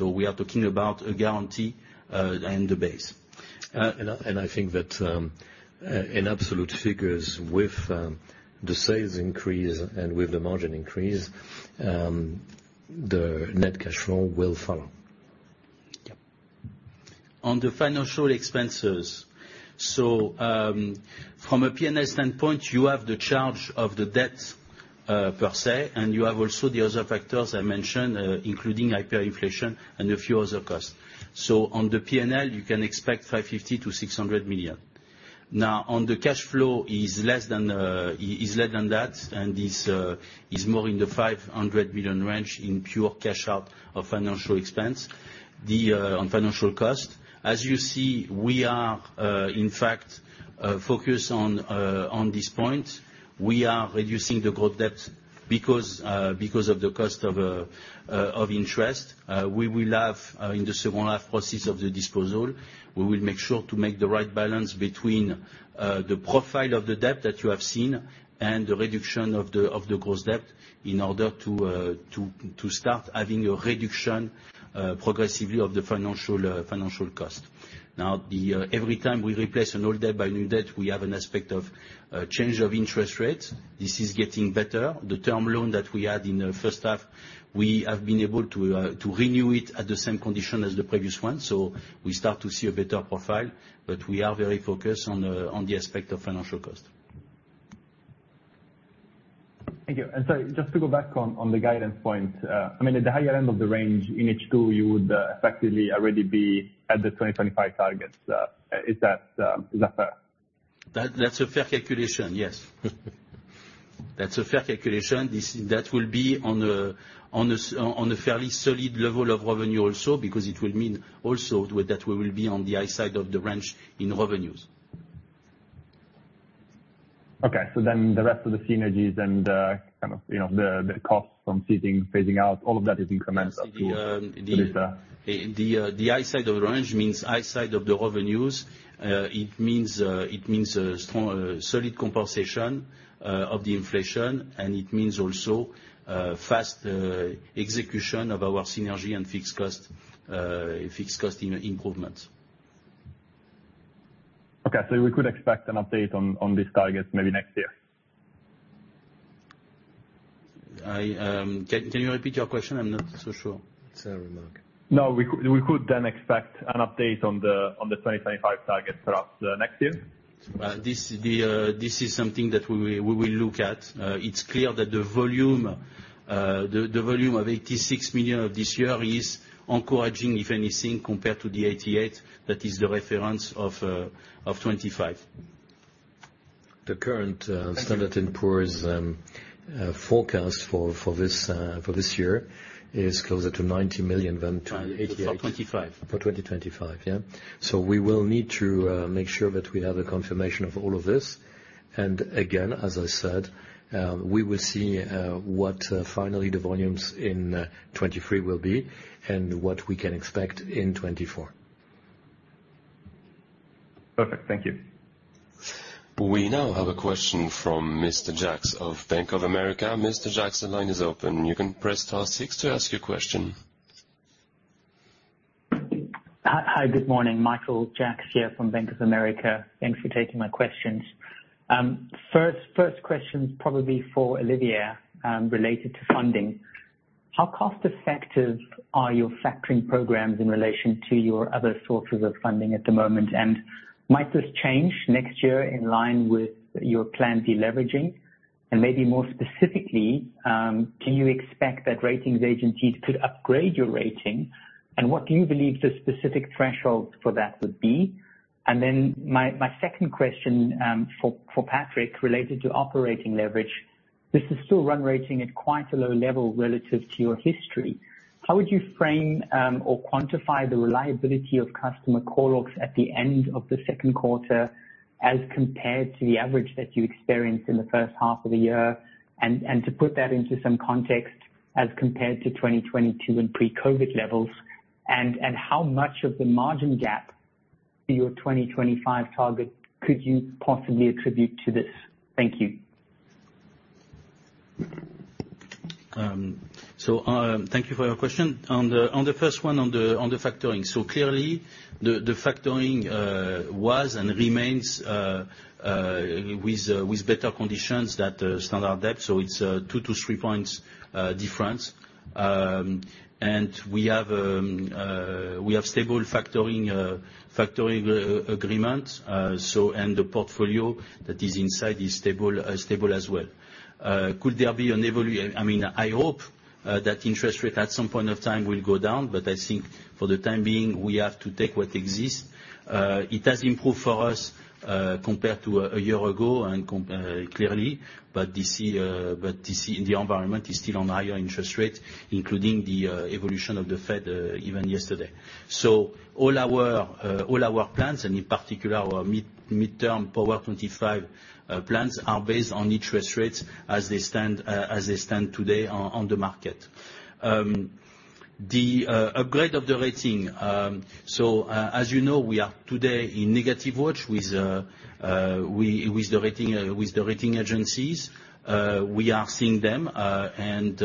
We are talking about a guarantee, and the base. I think that, in absolute figures, with the sales increase and with the margin increase, the net cash flow will follow. Yep. On the financial expenses, from a PNL standpoint, you have the charge of the debt per se, and you have also the other factors I mentioned, including hyperinflation and a few other costs. On the PNL, you can expect 550 million-600 million. On the cash flow is less than that, and is more in the 500 million range in pure cash out of financial expense. On financial cost, as you see, we are in fact focused on this point. We are reducing the group debt because of the cost of interest. We will have in the H2, process of the disposal. We will make sure to make the right balance between the profile of the debt that you have seen and the reduction of the gross debt in order to start having a reduction progressively of the financial cost. Now, every time we replace an old debt by new debt, we have an aspect of change of interest rates. This is getting better. The term loan that we had in the H1, we have been able to renew it at the same condition as the previous one. We start to see a better profile, but we are very focused on the aspect of financial cost. Thank you. Sorry, just to go back on the guidance point. I mean, at the higher end of the range in H2, you would, effectively already be at the 2025 targets. Is that, is that fair? That's a fair calculation, yes. That's a fair calculation. That will be on a fairly solid level of revenue also, because it will mean also that we will be on the high side of the range in revenues. The rest of the synergies and, kind of, you know, the costs from Seating, phasing out, all of that is incremental to this. The high side of the range means high side of the revenues. It means a strong, solid compensation of the inflation, and it means also, fast execution of our synergy and fixed cost improvement. Okay, we could expect an update on this target maybe next year? I,... Can you repeat your question? I'm not so sure. It's a remark. We could then expect an update on the 2025 target perhaps next year? Well, this is the, this is something that we will look at. It's clear that the volume, the volume of 86 million of this year is encouraging, if anything, compared to the 88. That is the reference of 2025. The current S&P Global Ratings forecast for this year is closer to 90 million than to eighty- For 25. For 2025, yeah. We will need to make sure that we have a confirmation of all of this. Again, as I said, we will see what finally, the volumes in 2023 will be and what we can expect in 2024. Perfect. Thank you. We now have a question from Mr. Jacks of Bank of America. Mr. Jacks, the line is open. You can press star six to ask your question. Hi, good morning, Michael Jacks here from Bank of America. Thanks for taking my questions. First question is probably for Olivier, related to funding. How cost effective are your factoring programs in relation to your other sources of funding at the moment? Might this change next year in line with your planned deleveraging? Maybe more specifically, do you expect that ratings agencies could upgrade your rating, and what do you believe the specific threshold for that would be? Then my second question, for Patrick, related to operating leverage. This is still run rating at quite a low level relative to your history. How would you frame or quantify the reliability of customer call logs at the end of the Q2 as compared to the average that you experienced in the H1 of the year? To put that into some context, as compared to 2022 and pre-COVID levels, and how much of the margin gap for your 2025 target could you possibly attribute to this? Thank you. Thank you for your question. On the first one, on the factoring. Clearly, the factoring was and remains with better conditions that standard debt, so it's 2-3 points difference. We have stable factoring agreement, so, and the portfolio that is inside is stable as well. Could there be an I mean, I hope that interest rate at some point of time will go down, but I think for the time being, we have to take what exists. It has improved for us, compared to a year ago and clearly, but this year, the environment is still on higher interest rates, including the evolution of the Fed, even yesterday. All our plans, and in particular, our midterm POWER25 plans, are based on interest rates as they stand today on the market. The upgrade of the rating. As you know, we are today in negative watch with the rating agencies. We are seeing them, and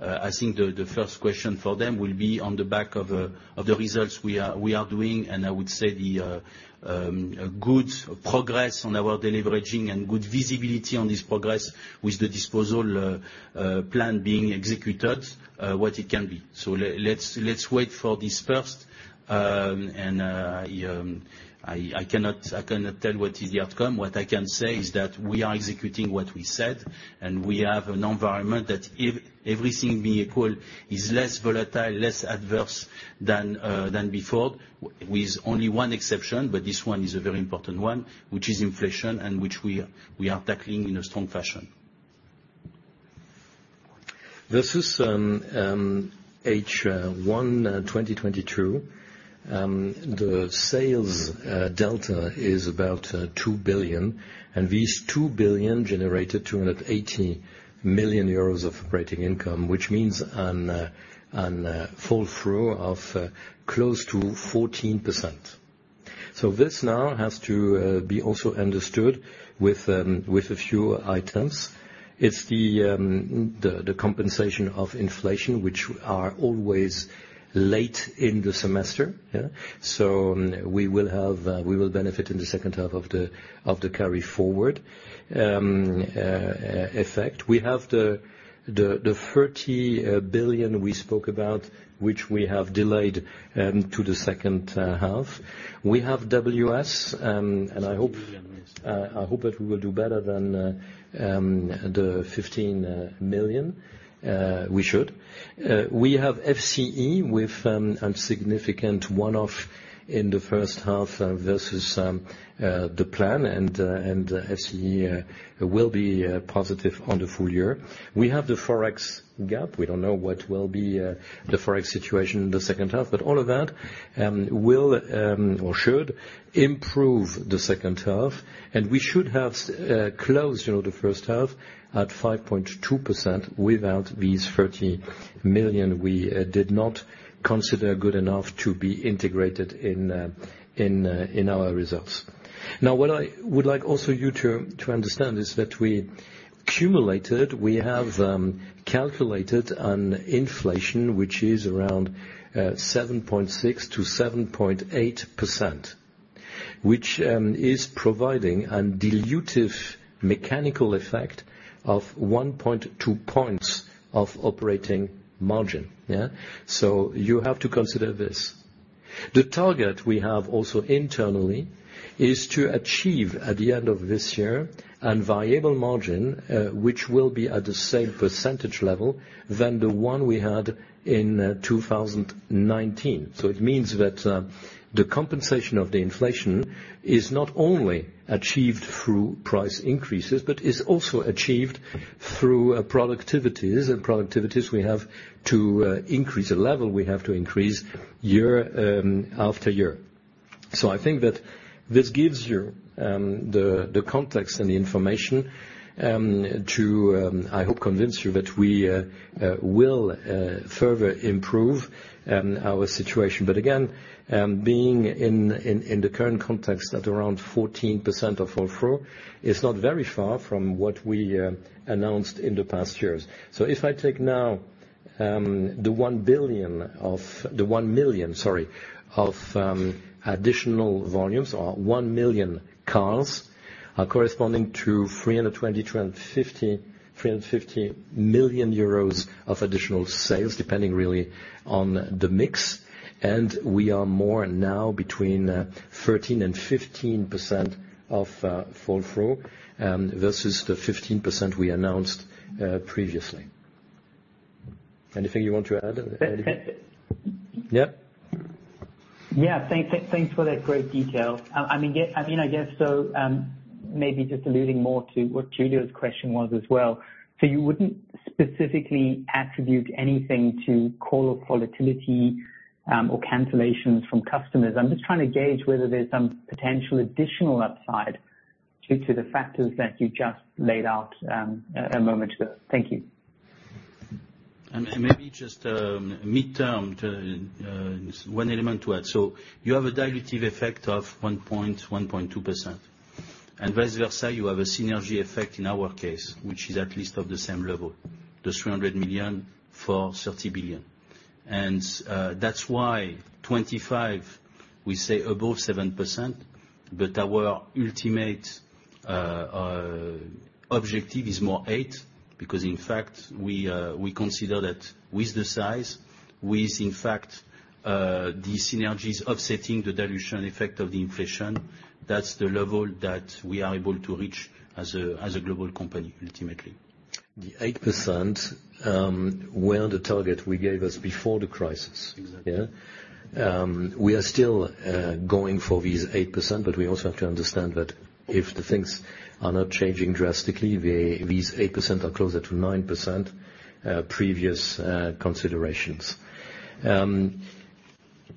I think the first question for them will be on the back of the results we are doing, and I would say the good progress on our deleveraging and good visibility on this progress with the disposal plan being executed, what it can be. Let's wait for this first. I cannot tell what is the outcome. What I can say is that we are executing what we said, and we have an environment that everything being equal is less volatile, less adverse than before, with only one exception, but this one is a very important one, which is inflation, and which we are tackling in a strong fashion. This is H1 2022. The sales delta is about 2 billion, and these 2 billion generated 280 million euros of operating income, which means a fall-through of close to 14%. This now has to be also understood with a few items. It's the compensation of inflation, which are always late in the semester, yeah? We will benefit in the H2 of the carry forward effect. We have the 30 billion we spoke about, which we have delayed to the H2. We have WS, and I hope that we will do better than the 15 million. We should. We have FCE with a significant one-off in the H1 versus the plan, and FCE will be positive on the full year. We have the Forex gap. We don't know what will be the Forex situation in the H2, but all of that will or should improve the H2, and we should have closed, you know, the H1 at 5.2% without these 30 million we did not consider good enough to be integrated in our results. What I would like also you to understand is that we cumulated, we have calculated an inflation which is around 7.6%-7.8%, which is providing a dilutive mechanical effect of 1.2 points of operating margin, yeah? You have to consider this. The target we have also internally is to achieve, at the end of this year, an variable margin, which will be at the same percentage level than the one we had in 2019. It means that the compensation of the inflation is not only achieved through price increases, but is also achieved through productivities. Productivities we have to increase the level, we have to increase year after year. I think that this gives you the context and the information to, I hope, convince you that we will further improve our situation. Again, being in the current context at around 14% of fall-through is not very far from what we announced in the past years. If I take now, the 1 million, sorry, of additional volumes, or 1 million cars, corresponding to 320, 350 million euros of additional sales, depending really on the mix. We are more now between 13% and 15% of fall-through versus the 15% we announced previously. Anything you want to add, Eddy? Yeah. Yeah, thanks for that great detail. I mean, yeah, I mean, I guess so, maybe just alluding more to what Julia's question was as well. You wouldn't specifically attribute anything to call-up volatility, or cancellations from customers? I'm just trying to gauge whether there's some potential additional upside due to the factors that you just laid out, a moment ago. Thank you. maybe just midterm, one element to add. You have a dilutive effect of 1.2%.... and vice versa, you have a synergy effect in our case, which is at least of the same level, the 300 million for 30 billion. That's why 2025, we say above 7%, but our ultimate objective is more 8%, because in fact, we consider that with the size, with in fact, the synergies offsetting the dilution effect of the inflation, that's the level that we are able to reach as a global company, ultimately. The 8%, were the target we gave us before the crisis. Exactly. Yeah? We are still going for these 8%, but we also have to understand that if the things are not changing drastically, these 8% are closer to 9% previous considerations.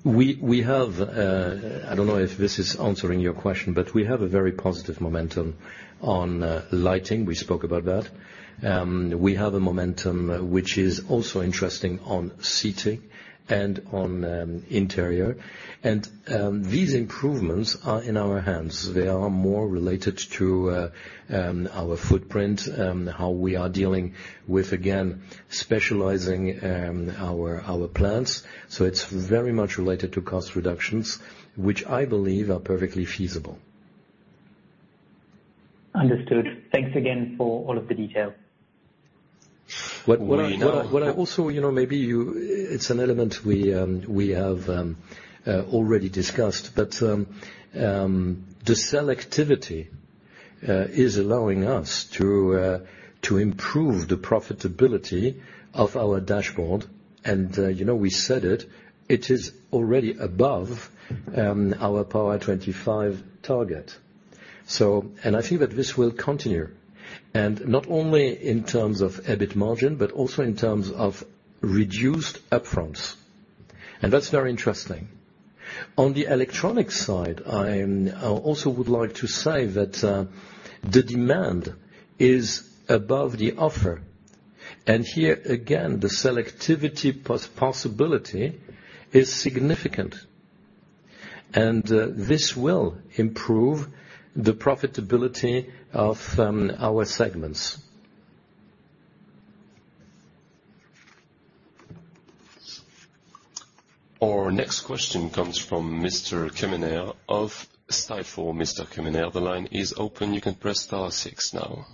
We have, I don't know if this is answering your question, but we have a very positive momentum on Lighting. We spoke about that. We have a momentum which is also interesting on Seating and on Interiors. These improvements are in our hands. They are more related to our footprint, how we are dealing with, again, specializing our plants. It's very much related to cost reductions, which I believe are perfectly feasible. Understood. Thanks again for all of the detail. What I also, you know, maybe it's an element we have already discussed, but, the selectivity is allowing us to improve the profitability of our dashboard. You know, we said it is already above our POWER25 target. I think that this will continue, and not only in terms of EBIT margin, but also in terms of reduced upfronts. That's very interesting. On the electronic side, I also would like to say that, the demand is above the offer, and here, again, the selectivity possibility is significant, and this will improve the profitability of our segments. Our next question comes from Mr. Quéméner of Stifel. Mr. Quéméner, the line is open. You can press star six now.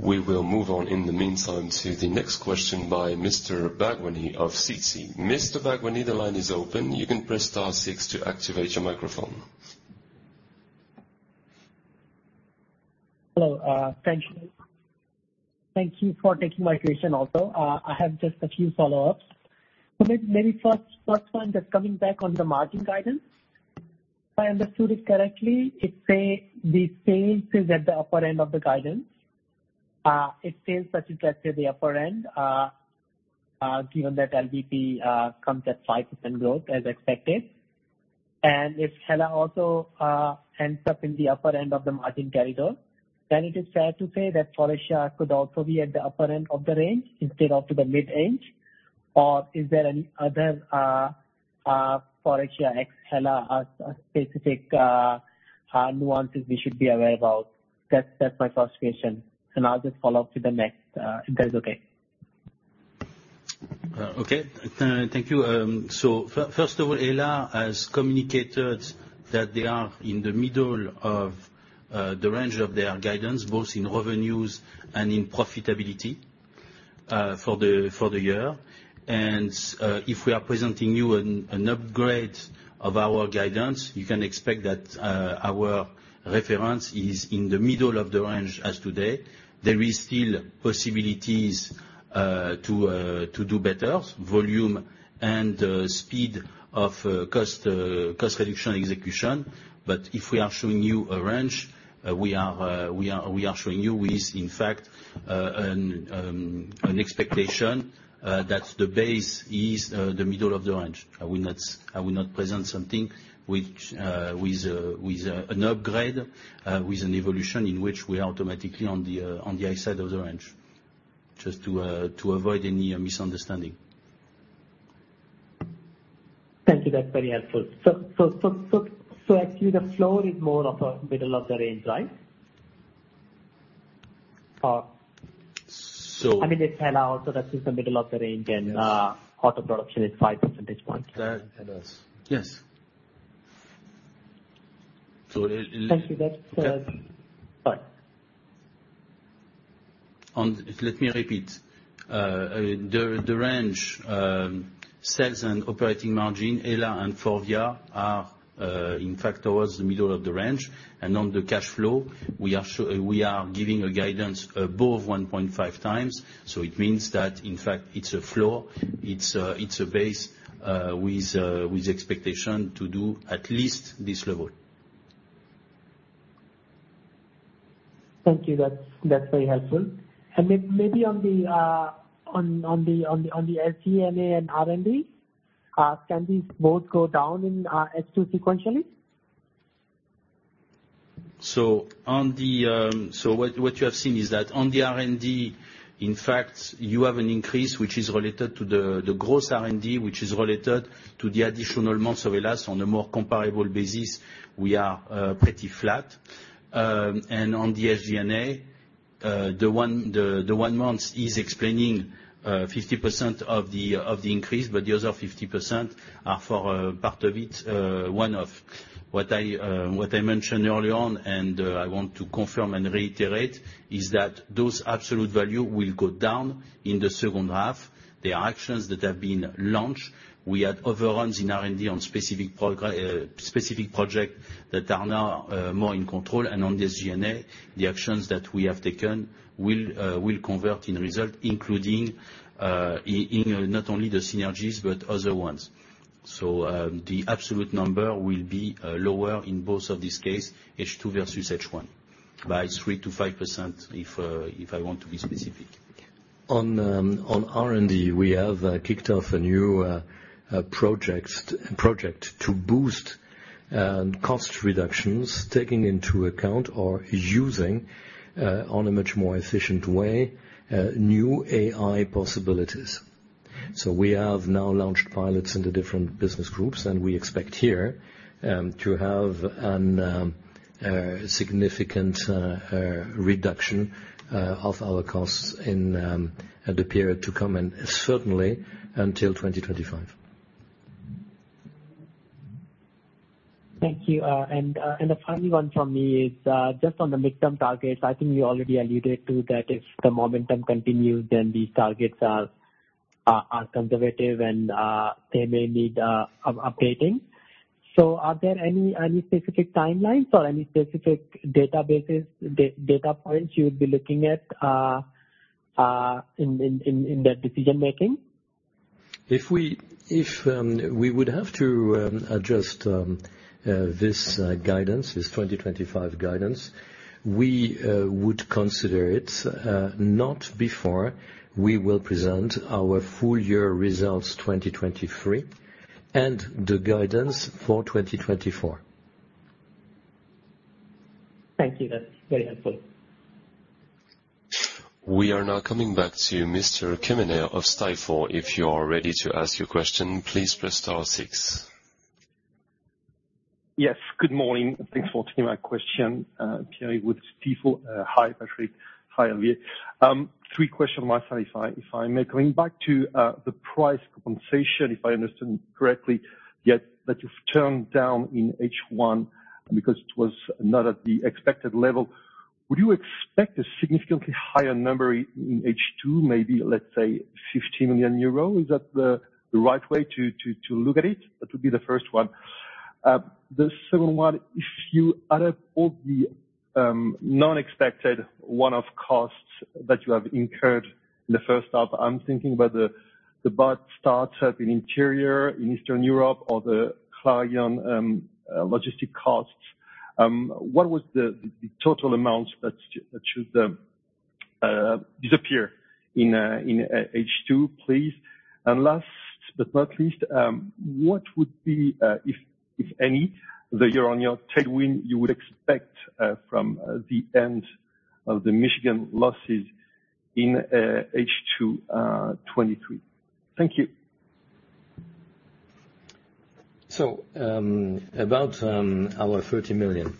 We will move on in the meantime to the next question by Mr. Bhagwanani of Citi. Mr. Bhagwanani, the line is open. You can press star six to activate your microphone. Hello, thank you. Thank you for taking my question also. I have just a few follow-ups. Maybe first one, just coming back on the margin guidance. If I understood it correctly, it say the sales is at the upper end of the guidance. It says that you get to the upper end, given that LBP comes at 5% growth as expected. If Hella also ends up in the upper end of the margin corridor, then it is fair to say that Faurecia could also be at the upper end of the range instead of to the mid-range? Is there any other Faurecia ex Hella specific nuances we should be aware about? That's my first question. I'll just follow up to the next if that is okay. Okay. Thank you. First of all, Hella has communicated that they are in the middle of the range of their guidance, both in revenues and in profitability for the year. If we are presenting you an upgrade of our guidance, you can expect that our reference is in the middle of the range as today. There is still possibilities to do better, volume and speed of cost reduction execution. If we are showing you a range, we are showing you with, in fact, an expectation that the base is the middle of the range. I will not present something which, with an upgrade, with an evolution in which we are automatically on the high side of the range, just to avoid any misunderstanding. Thank you. That's very helpful. actually, the floor is more of a middle of the range, right? So- I mean, the Hella also, that is the middle of the range, and auto production is five percentage points. That and us. Yes. it. Thank you. That's...Fine. Let me repeat, the range, sales and operating margin, Hella and FORVIA, are, in fact, towards the middle of the range. On the cash flow, we are giving a guidance above 1.5 times. It means that, in fact, it's a floor, it's a, it's a base, with expectation to do at least this level. Thank you. That's very helpful. Maybe on the SG&A and R&D, can these both go down in H2 sequentially? On the R&D, in fact, you have an increase which is related to the gross R&D, which is related to the additional months of Hella. On a more comparable basis, we are pretty flat. On the SG&A, the one month is explaining 50% of the increase, but the other 50% are for part of it. One of what I mentioned early on, and I want to confirm and reiterate, is that those absolute value will go down in the H2. There are actions that have been launched. We had other runs in R&D on specific project that are now more in control. On the SG&A, the actions that we have taken will convert in result, including not only the synergies but other ones. The absolute number will be lower in both of these case, H2 versus H1, by 3%-5%, if I want to be specific. On R&D, we have kicked off a new project to boost cost reductions, taking into account or using on a much more efficient way new AI possibilities. We have now launched pilots in the different business groups, and we expect here to have a significant reduction of our costs in the period to come, and certainly until 2025. Thank you. And the final one from me is just on the midterm targets. I think you already alluded to that if the momentum continues, then these targets are conservative, and they may need updating. Are there any specific timelines or any specific databases, data points you would be looking at in that decision making? If we would have to adjust this guidance, this 2025 guidance, we would consider it not before we will present our full year results, 2023, and the guidance for 2024. Thank you. That's very helpful. We are now coming back to Mr. Quéméner of Stifel. If you are ready to ask your question, please press star 6. Yes, good morning. Thanks for taking my question. Pierre with Stifel. Hi, Patrick. Hi, Olivier. Three questions on my side, if I may. Going back to the price compensation, if I understand correctly, yet that you've turned down in H1 because it was not at the expected level, would you expect a significantly higher number in H2, maybe, let's say, 50 million euros? Is that the right way to look at it? That would be the first one. The second one, if you add up all the non-expected one-off costs that you have incurred in the H1, I'm thinking about the BART startup in interior in Eastern Europe or the Clarion logistic costs, what was the total amounts that should disappear in H2, please? Last but not least, what would be, if any, the year-on-year tailwind you would expect from the end of the Michigan losses in H2 2023? Thank you. About 30 million.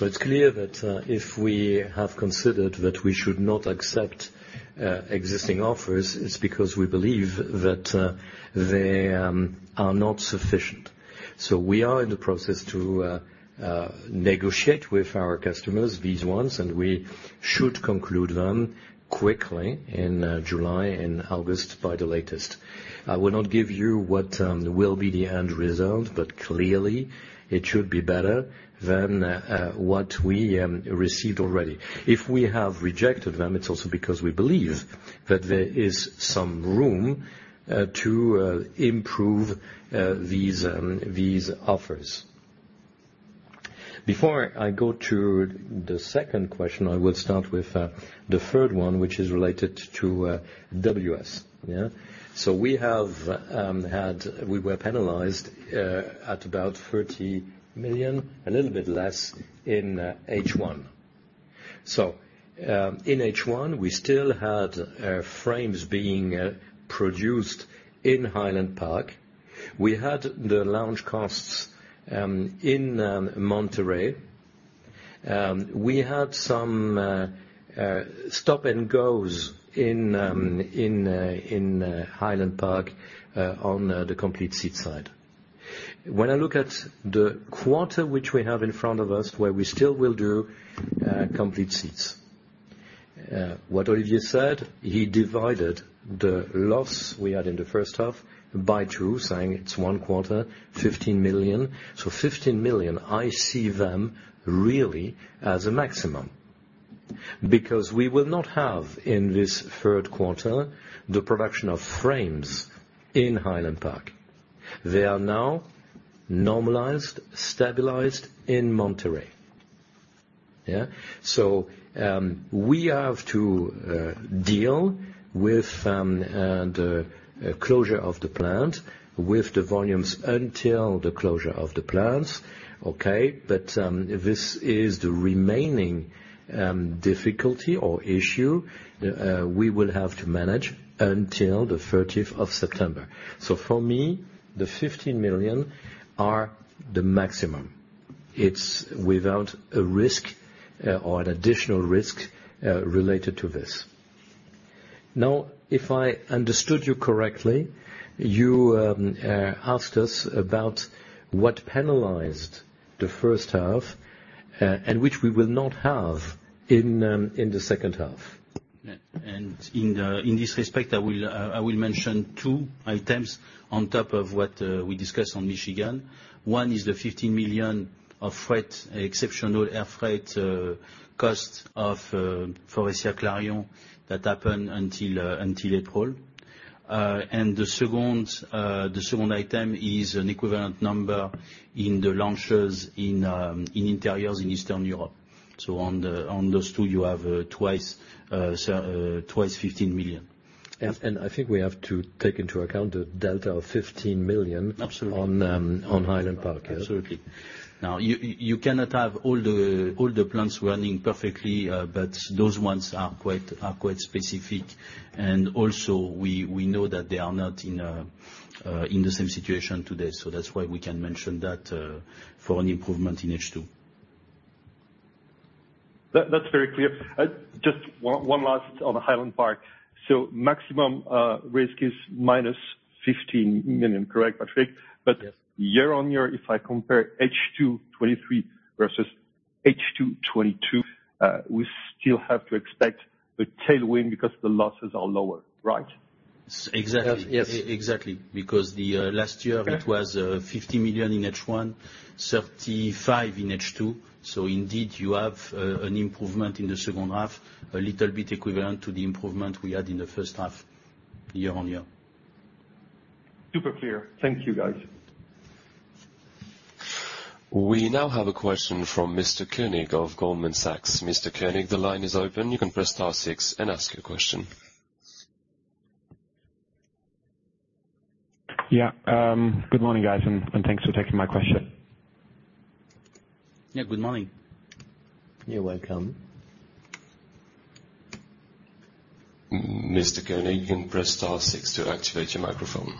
It's clear that if we have considered that we should not accept existing offers, it's because we believe that they are not sufficient. We are in the process to negotiate with our customers, these ones, and we should conclude them quickly in July and August by the latest. I will not give you what will be the end result, but clearly it should be better than what we received already. If we have rejected them, it's also because we believe that there is some room to improve these offers. Before I go to the second question, I will start with the third one, which is related to WS. Yeah? We have had We were penalized at about 30 million, a little bit less in H1. In H1, we still had frames being produced in Highland Park. We had the lounge costs in Monterrey. We had some stop and goes in Highland Park on the complete seat side. When I look at the quarter which we have in front of us, where we still will do complete seats, what Olivier said, he divided the loss we had in the H1 by two, saying it's one quarter, 15 million. 15 million, I see them really as a maximum, because we will not have, in this Q3, the production of frames in Highland Park. They are now normalized, stabilized in Monterrey. Yeah. We have to deal with the closure of the plant, with the volumes until the closure of the plants, okay? This is the remaining difficulty or issue we will have to manage until the 30th of September. For me, the 15 million are the maximum. It's without a risk or an additional risk related to this. Now, if I understood you correctly, you asked us about what penalized the H1 and which we will not have in the H2. In this respect, I will mention two items on top of what we discussed on Michigan. One is the 15 million of freight, exceptional air freight cost of Faurecia Clarion, that happened until April. The second item is an equivalent number in the launches in Interiors in Eastern Europe. On those two, you have twice 15 million. I think we have to take into account the delta of 15 million. Absolutely. On Highland Park. Absolutely. You cannot have all the plants running perfectly, but those ones are quite specific. Also, we know that they are not in the same situation today. That's why we can mention that for an improvement in H2. That's very clear. Just one last on the Highland Park. Maximum risk is minus 15 million, correct, Patrick? Yes. Year-on-year, if I compare H2 '23 versus H2 '22, we still have to expect a tailwind because the losses are lower, right? Exactly. Yes. Exactly. Because the last year- Okay... it was 50 million in H1, 35 million in H2. Indeed, you have an improvement in the H2, a little bit equivalent to the improvement we had in the H1, year-on-year. Super clear. Thank you, guys. We now have a question from Mr. Koenig of Goldman Sachs. Mr. Koenig, the line is open. You can press star 6 and ask your question. Good morning, guys, and thanks for taking my question. Yeah, good morning. You're welcome. Mr. Koenig, you can press star 6 to activate your microphone.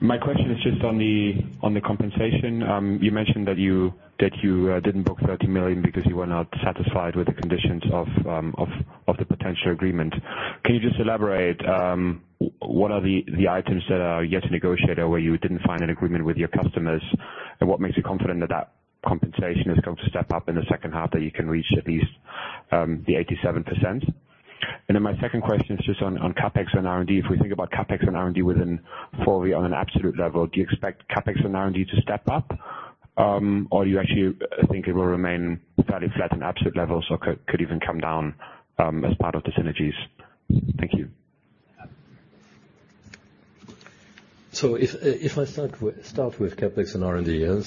My question is just on the compensation. You mentioned that you didn't book 30 million because you were not satisfied with the conditions of the potential agreement. Can you just elaborate what are the items that are yet to negotiate, or where you didn't find an agreement with your customers? What makes you confident that that compensation is going to step up in the H2, that you can reach at least the 87%? My second question is just on CapEx and R&D. If we think about CapEx and R&D within Faurecia on an absolute level, do you expect CapEx and R&D to step up? You actually think it will remain fairly flat in absolute levels or could even come down as part of the synergies? Thank you. If I start with CapEx and R&D, yeah?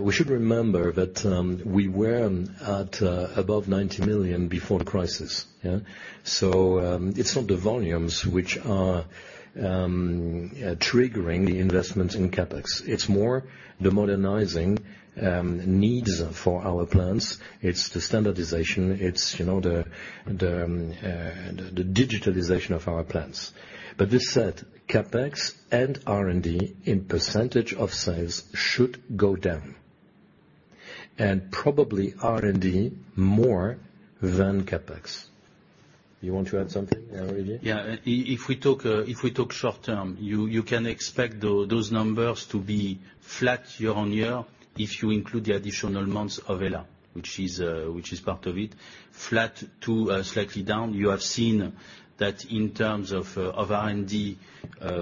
We should remember that we were at above 90 million before crisis, yeah? It's not the volumes which are triggering the investment in CapEx. It's more the modernizing needs for our plants. It's the standardization, it's, you know, the digitalization of our plants. This said, CapEx and R&D in percentage of sales should go down, and probably R&D more than CapEx. You want to add something, Olivier? Yeah. If we talk, if we talk short term, you can expect those numbers to be flat year-on-year, if you include the additional months of Hella, which is part of it. Flat to slightly down. You have seen that in terms of R&D,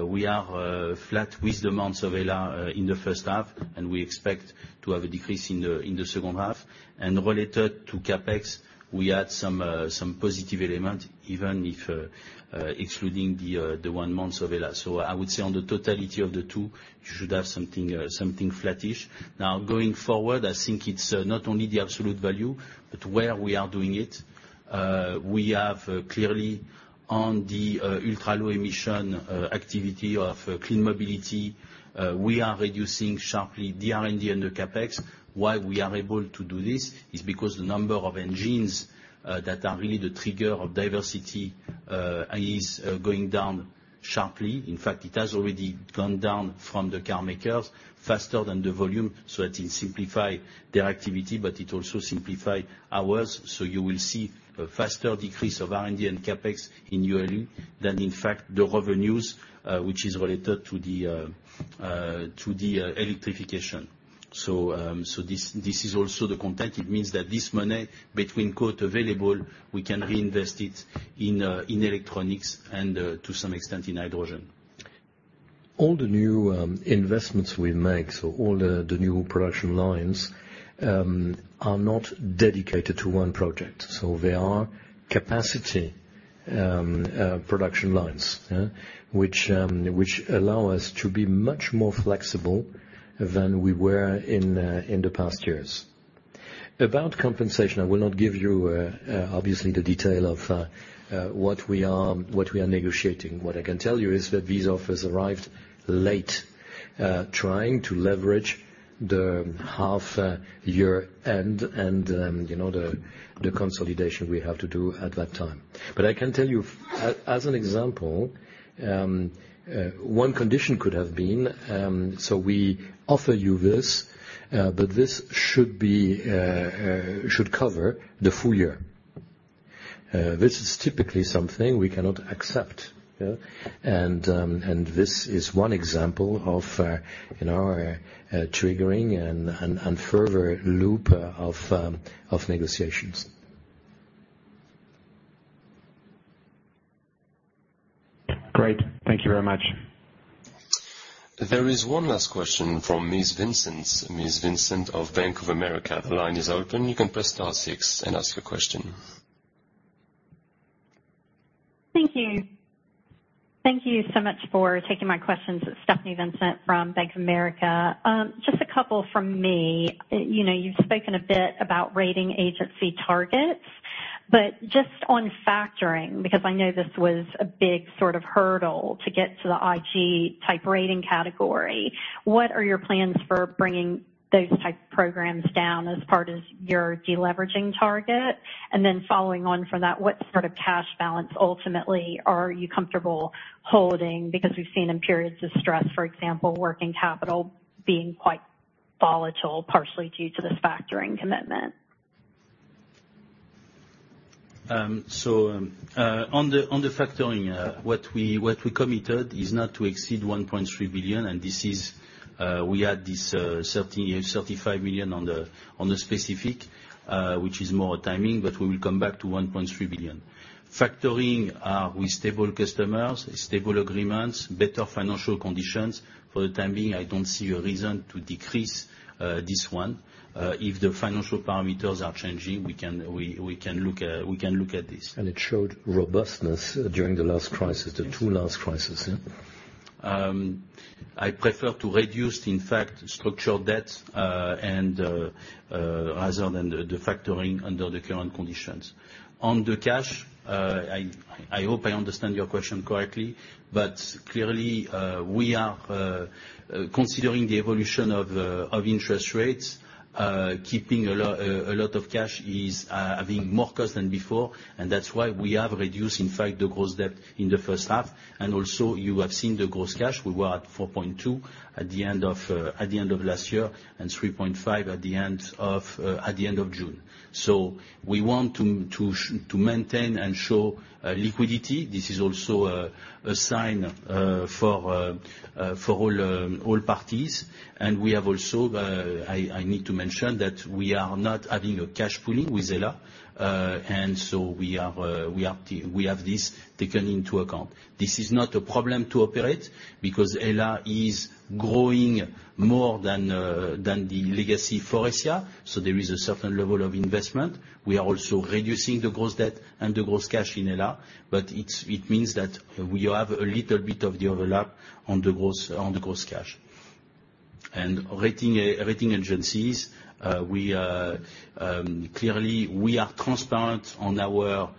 we are flat with the months of Hella, in the H1, and we expect to have a decrease in the H2. Related to CapEx, we had some positive element, even if excluding the 1 month of Hella. I would say on the totality of the two, you should have something flattish. Going forward, I think it's not only the absolute value, but where we are doing it. We have clearly, on the ultra-low emission activity of Clean Mobility, we are reducing sharply the R&D and the CapEx. Why we are able to do this is because the number of engines that are really the trigger of diversity is going down sharply. In fact, it has already gone down from the car makers faster than the volume, so it will simplify their activity, but it also simplify ours. You will see a faster decrease of R&D and CapEx in ULU than, in fact, the revenues, which is related to the electrification. This is also the context. It means that this money, between quote, "available," we can reinvest it in Electronics and to some extent, in hydrogen. All the new investments we make, so all the new production lines are not dedicated to one project. They are capacity production lines, yeah, which allow us to be much more flexible than we were in the past years. About compensation, I will not give you obviously, the detail of what we are negotiating. What I can tell you is that these offers arrived late, trying to leverage the half year end, and, you know, the consolidation we have to do at that time. I can tell you, as an example, one condition could have been, so we offer you this, but this should cover the full year. This is typically something we cannot accept, yeah? This is one example of, you know, triggering and further loop of negotiations. Great. Thank you very much. There is one last question from Ms. Vincent. Ms. Vincent of Bank of America, the line is open. You can press star six and ask your question. Thank you. Thank you so much for taking my questions. Stephanie Vincent from Bank of America. Just a couple from me. You know, you've spoken a bit about rating agency targets, but just on factoring, because I know this was a big sort of hurdle to get to the IG type rating category, what are your plans for bringing those type programs down as part as your deleveraging target? Following on from that, what sort of cash balance ultimately are you comfortable holding? We've seen in periods of stress, for example, working capital being quite volatile, partially due to this factoring commitment. On the factoring, what we committed is not to exceed 1.3 billion, and this is, we add this, 30 million-35 million on the specific, which is more timing, but we will come back to 1.3 billion. Factoring, with stable customers, stable agreements, better financial conditions. For the time being, I don't see a reason to decrease this one. If the financial parameters are changing, we can look at this. It showed robustness during the last crisis, the 2 last crisis, yeah. I prefer to reduce, in fact, structural debts, and rather than the factoring under the current conditions. On the cash, I hope I understand your question correctly, but clearly, we are considering the evolution of interest rates, keeping a lot of cash is having more cost than before, and that's why we have reduced, in fact, the gross debt in the H1. You have seen the gross cash. We were at 4.2 at the end of last year, and 3.5 at the end of June. We want to maintain and show liquidity. This is also a sign for all parties. We have also, I need to mention that we are not having a cash pooling with Hella, we have this taken into account. This is not a problem to operate because Hella is growing more than the legacy Faurecia, there is a certain level of investment. We are also reducing the gross debt and the gross cash in Hella, it means that we have a little bit of the overlap on the gross, on the gross cash. Rating, rating agencies, clearly, we are transparent on our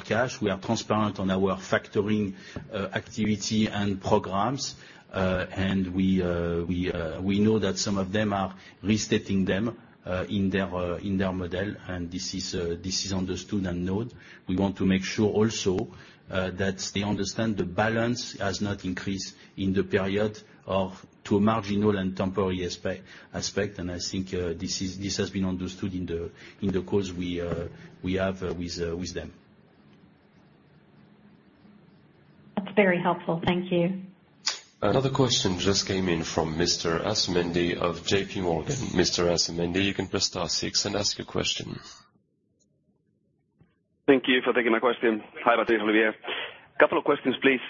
cash, we are transparent on our factoring activity and programs. We know that some of them are restating them in their model, and this is understood and known. We want to make sure also that they understand the balance has not increased in the period of to a marginal and temporary aspect, and I think, this has been understood in the calls we have with them. That's very helpful. Thank you. Another question just came in from Mr. Asumendi of JP Morgan. Mr. Asumendi, you can press star 6 and ask your question. Thank you for taking my question. Hi, Olivier. A couple of questions, please.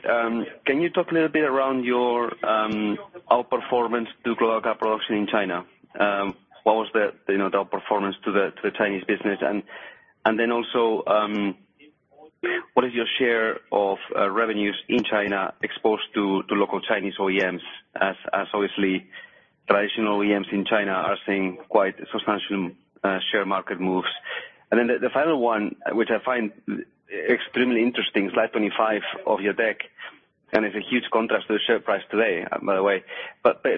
Can you talk a little bit around your outperformance to global car production in China? What was the, you know, the outperformance to the, to the Chinese business? Then also, what is your share of revenues in China exposed to local Chinese OEMs, as obviously, traditional OEMs in China are seeing quite substantial share market moves. Then the final one, which I find extremely interesting, slide 25 of your deck, and it's a huge contrast to the share price today, by the way.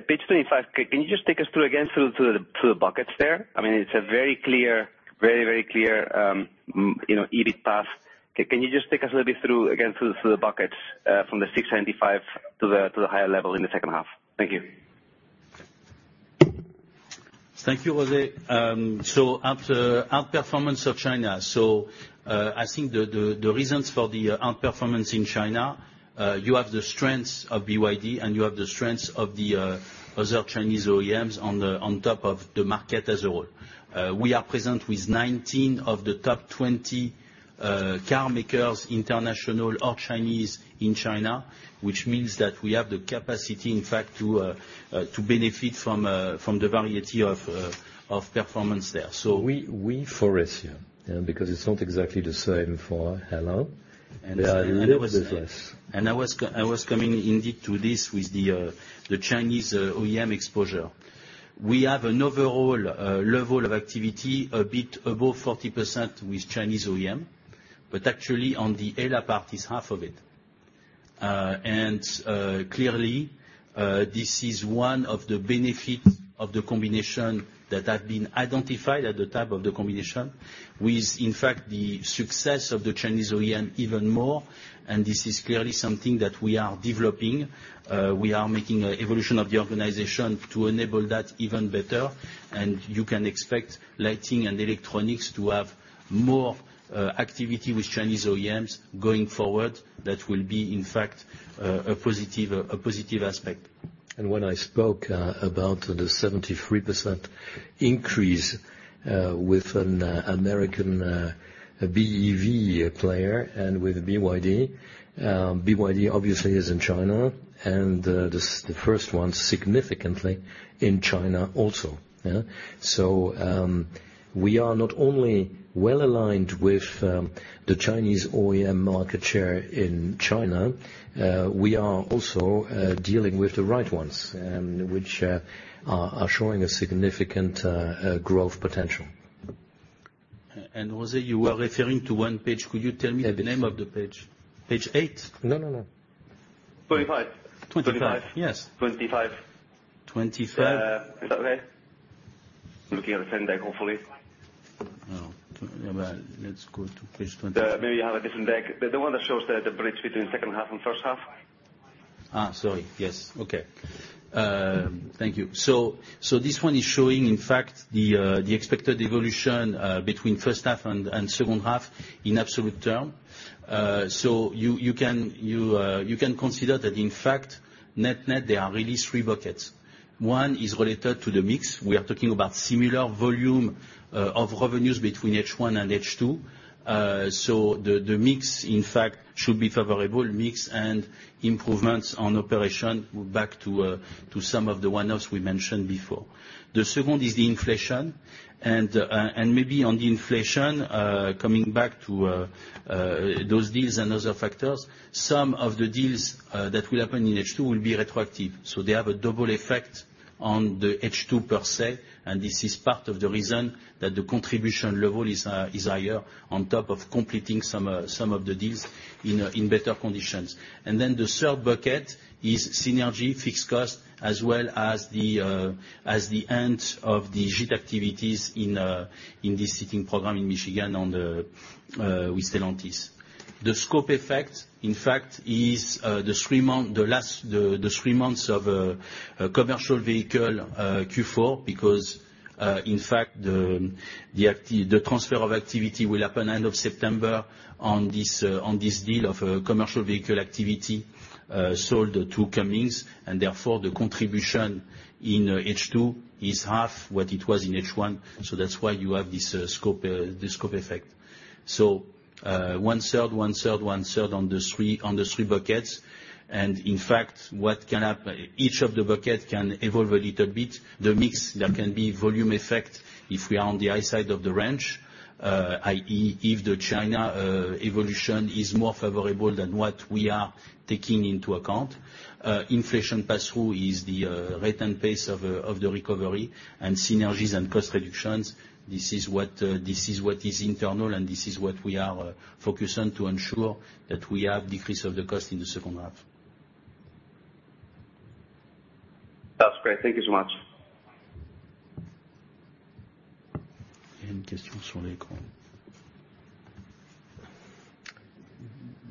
Page 25, can you just take us through again, through the, through the buckets there? I mean, it's a very clear, very, very clear, you know, EBIT path. Can you just take us a little bit through, again, through the, through the buckets, from the 695 to the, to the higher level in the H2? Thank you. Thank you, José. After outperformance of China. I think the reasons for the outperformance in China, you have the strengths of BYD, and you have the strengths of the other Chinese OEMs on top of the market as a whole. We are present with 19 of the top 20 car makers, international or Chinese, in China, which means that we have the capacity, in fact, to benefit from the variety of performance there. We Faurecia, yeah, because it's not exactly the same for Hella. They are a little bit less. I was coming indeed to this with the Chinese OEM exposure. We have an overall level of activity, a bit above 40% with Chinese OEM. Actually, on the Ayla part is half of it. Clearly, this is one of the benefits of the combination that have been identified at the time of the combination, with, in fact, the success of the Chinese OEM even more, and this is clearly something that we are developing. We are making an evolution of the organization to enable that even better, and you can expect Lighting and Electronics to have more activity with Chinese OEMs going forward. That will be, in fact, a positive, a positive aspect. When I spoke, about the 73% increase, with an American BEV player and with BYD obviously is in China, and the first one significantly in China also. Yeah. We are not only well-aligned with the Chinese OEM market share in China, we are also dealing with the right ones and which are showing a significant growth potential. José, you were referring to one page. Could you tell me the name of the page? Page eight? No, no. 25. 25. 25. Yes. 25. Is that okay? Looking at the same deck, hopefully. Oh, well, let's go to page twenty-. Maybe you have a different deck, but the one that shows the bridge between H2 and H1. Sorry. Yes. Okay. Thank you. This one is showing, in fact, the expected evolution between H1 and H2 in absolute term. You can consider that in fact, net-net, there are really three buckets. One is related to the mix. We are talking about similar volume of revenues between H1 and H2. The mix, in fact, should be favorable, mix and improvements on operation back to some of the one-offs we mentioned before. The second is the inflation. Maybe on the inflation, coming back to those deals and other factors, some of the deals that will happen in H2 will be retroactive, so they have a double effect on the H2 per se, and this is part of the reason that the contribution level is higher on top of completing some of the deals in better conditions. Then the third bucket is synergy, fixed cost, as well as the end of the JIT activities in this Seating program in Michigan on the with Stellantis. The scope effect, in fact, is the last, the 3 months of commercial vehicle Q4, because, in fact, the. The transfer of activity will happen end of September on this, on this deal of commercial vehicle activity sold to Cummins. The contribution in H2 is half what it was in H1. That's why you have this scope, this scope effect. One-third, one-third, one-third on the 3, on the 3 buckets. What can happen, each of the buckets can evolve a little bit. The mix, there can be volume effect if we are on the high side of the range, i.e., if the China evolution is more favorable than what we are taking into account. Inflation pass-through is the rate and pace of the recovery, and synergies and cost reductions, this is what is internal, and this is what we are focused on to ensure that we have decrease of the cost in the H2. That's great. Thank you so much. Any questions from the group?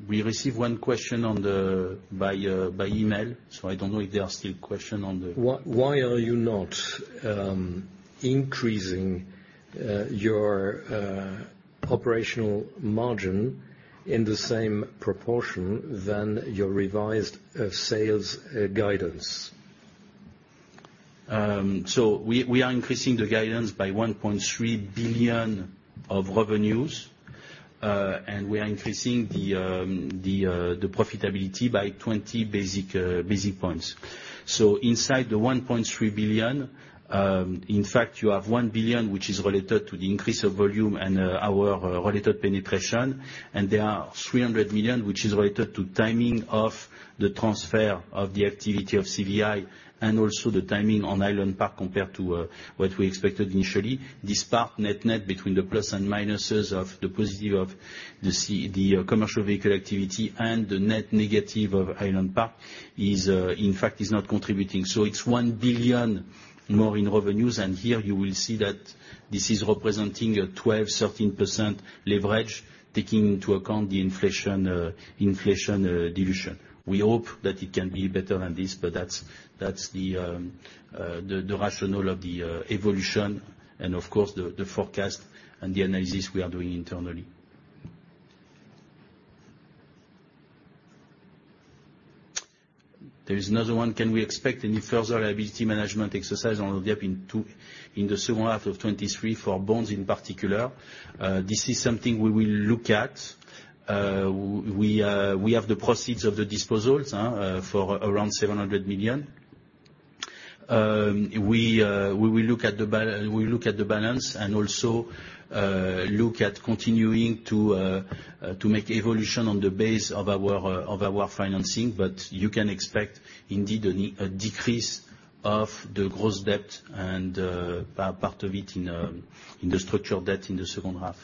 We received one question on the by email. I don't know if there are still question on the. Why are you not increasing your operational margin in the same proportion than your revised sales guidance? we are increasing the guidance by 1.3 billion of revenues, and we are increasing the profitability by 20 basis points. Inside the 1.3 billion, in fact, you have 1 billion, which is related to the increase of volume and our related penetration, and there are 300 million, which is related to timing of the transfer of the activity of CVI and also the timing on Highland Park, compared to what we expected initially. This part, net-net, between the plus and minuses of the commercial vehicle activity and the net negative of Highland Park is, in fact, is not contributing. It's 1 billion more in revenues, here you will see that this is representing a 12%-13% leverage, taking into account the inflation dilution. We hope that it can be better than this, but that's the rationale of the evolution and of course, the forecast and the analysis we are doing internally. Another one: Can we expect any further liability management exercise on Hybrid in the H2 of 2023 for bonds in particular? This is something we will look at. We have the proceeds of the disposals for around 700 million. We will look at the. We look at the balance and also, look at continuing to make evolution on the base of our of our financing, but you can expect indeed, a decrease of the gross debt and, part of it in the structured debt in the H2.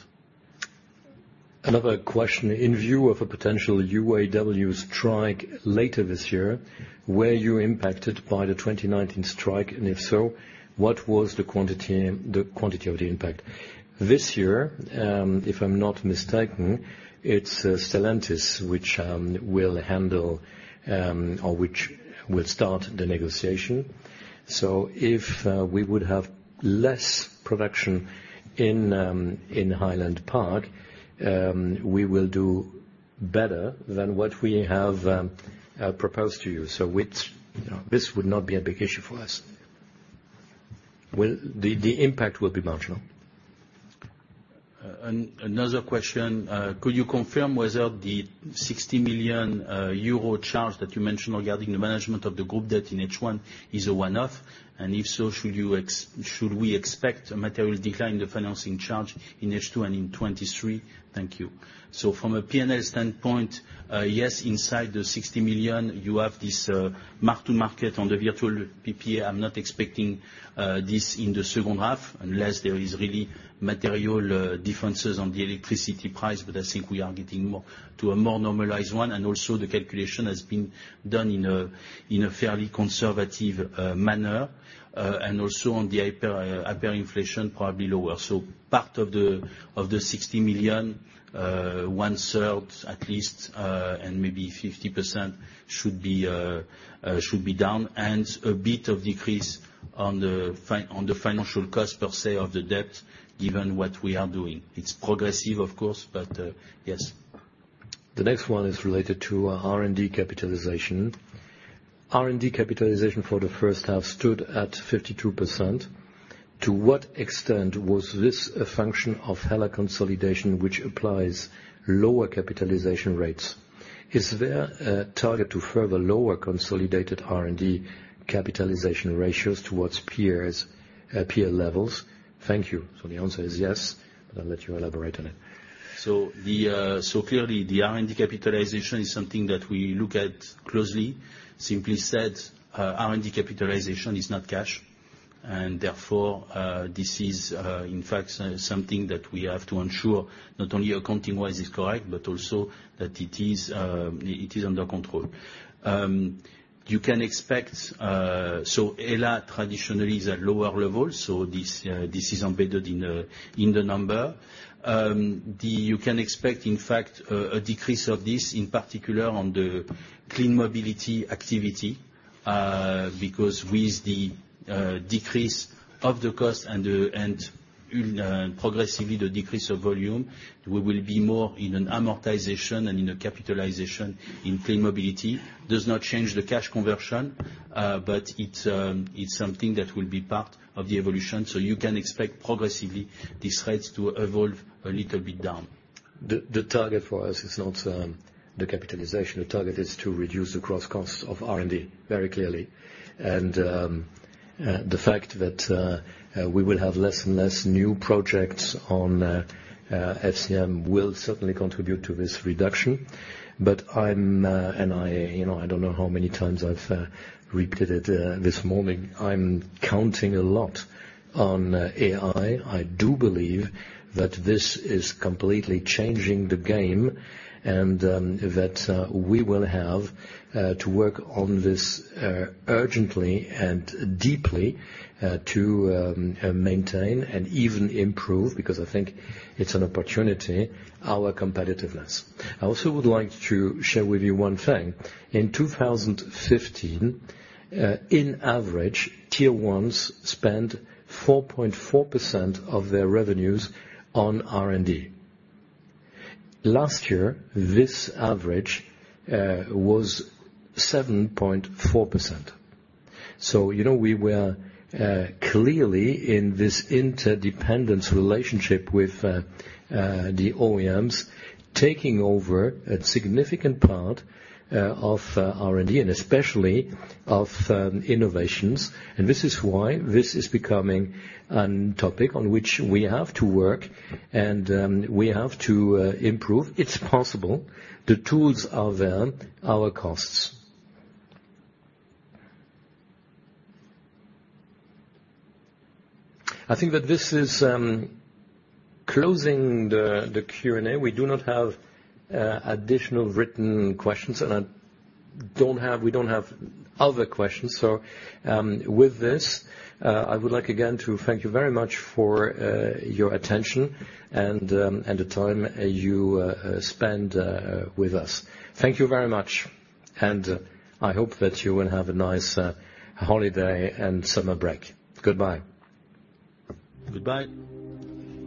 Another question, in view of a potential UAW strike later this year, were you impacted by the 2019 strike? If so, what was the quantity of the impact? This year, if I'm not mistaken, it's Stellantis which will handle or which will start the negotiation. If we would have less production in Highland Park, we will do better than what we have proposed to you. Which, you know, this would not be a big issue for us. Well, the impact will be marginal. Another question. Could you confirm whether the 60 million euro charge that you mentioned regarding the management of the group debt in H1 is a one-off? If so, should we expect a material decline in the financing charge in H2 and in 2023? Thank you. From a PNL standpoint, yes, inside the 60 million, you have this mark to market on the virtual PPA. I'm not expecting this in the H2, unless there is really material differences on the electricity price, but I think we are getting more to a more normalized one. Also, the calculation has been done in a fairly conservative manner. Also on the hyperinflation, probably lower. Part of the, of the 60 million, one-third at least, and maybe 50% should be down, and a bit of decrease on the financial cost per se of the debt, given what we are doing. It's progressive, of course, but yes. The next one is related to R&D capitalization. R&D capitalization for the H1 stood at 52%. To what extent was this a function of Hella consolidation, which applies lower capitalization rates? Is there a target to further lower consolidated R&D capitalization ratios towards peers, peer levels? Thank you. The answer is yes, but I'll let you elaborate on it. Clearly, the R&D capitalization is something that we look at closely. Simply said, R&D capitalization is not cash, and therefore, this is, in fact, something that we have to ensure not only accounting-wise is correct, but also that it is under control. Hella traditionally is at lower levels, so this is embedded in the number. You can expect, in fact, a decrease of this, in particular, on the Clean Mobility activity, because with the decrease of the cost and progressively, the decrease of volume, we will be more in an amortization and in a capitalization in Clean Mobility. Does not change the cash conversion, but it's something that will be part of the evolution. You can expect progressively these rates to evolve a little bit down. The target for us is not the capitalization. The target is to reduce the cross costs of R&D, very clearly. The fact that we will have less and less new projects on FCM will certainly contribute to this reduction. I'm and I, you know, I don't know how many times I've repeated it this morning. I'm counting a lot on AI. I do believe that this is completely changing the game, and that we will have to work on this urgently and deeply to maintain and even improve, because I think it's an opportunity, our competitiveness. I also would like to share with you one thing. In 2015, in average, tier ones spent 4.4% of their revenues on R&D. Last year, this average was 7.4%. You know, we were clearly in this interdependence relationship with the OEMs, taking over a significant part of R&D, and especially of innovations. This is why this is becoming an topic on which we have to work, and we have to improve. It's possible. The tools are there, our costs. I think that this is closing the Q&A. We do not have additional written questions, and we don't have other questions. With this, I would like again to thank you very much for your attention and the time you spend with us. Thank you very much, and I hope that you will have a nice holiday and summer break. Goodbye. Goodbye.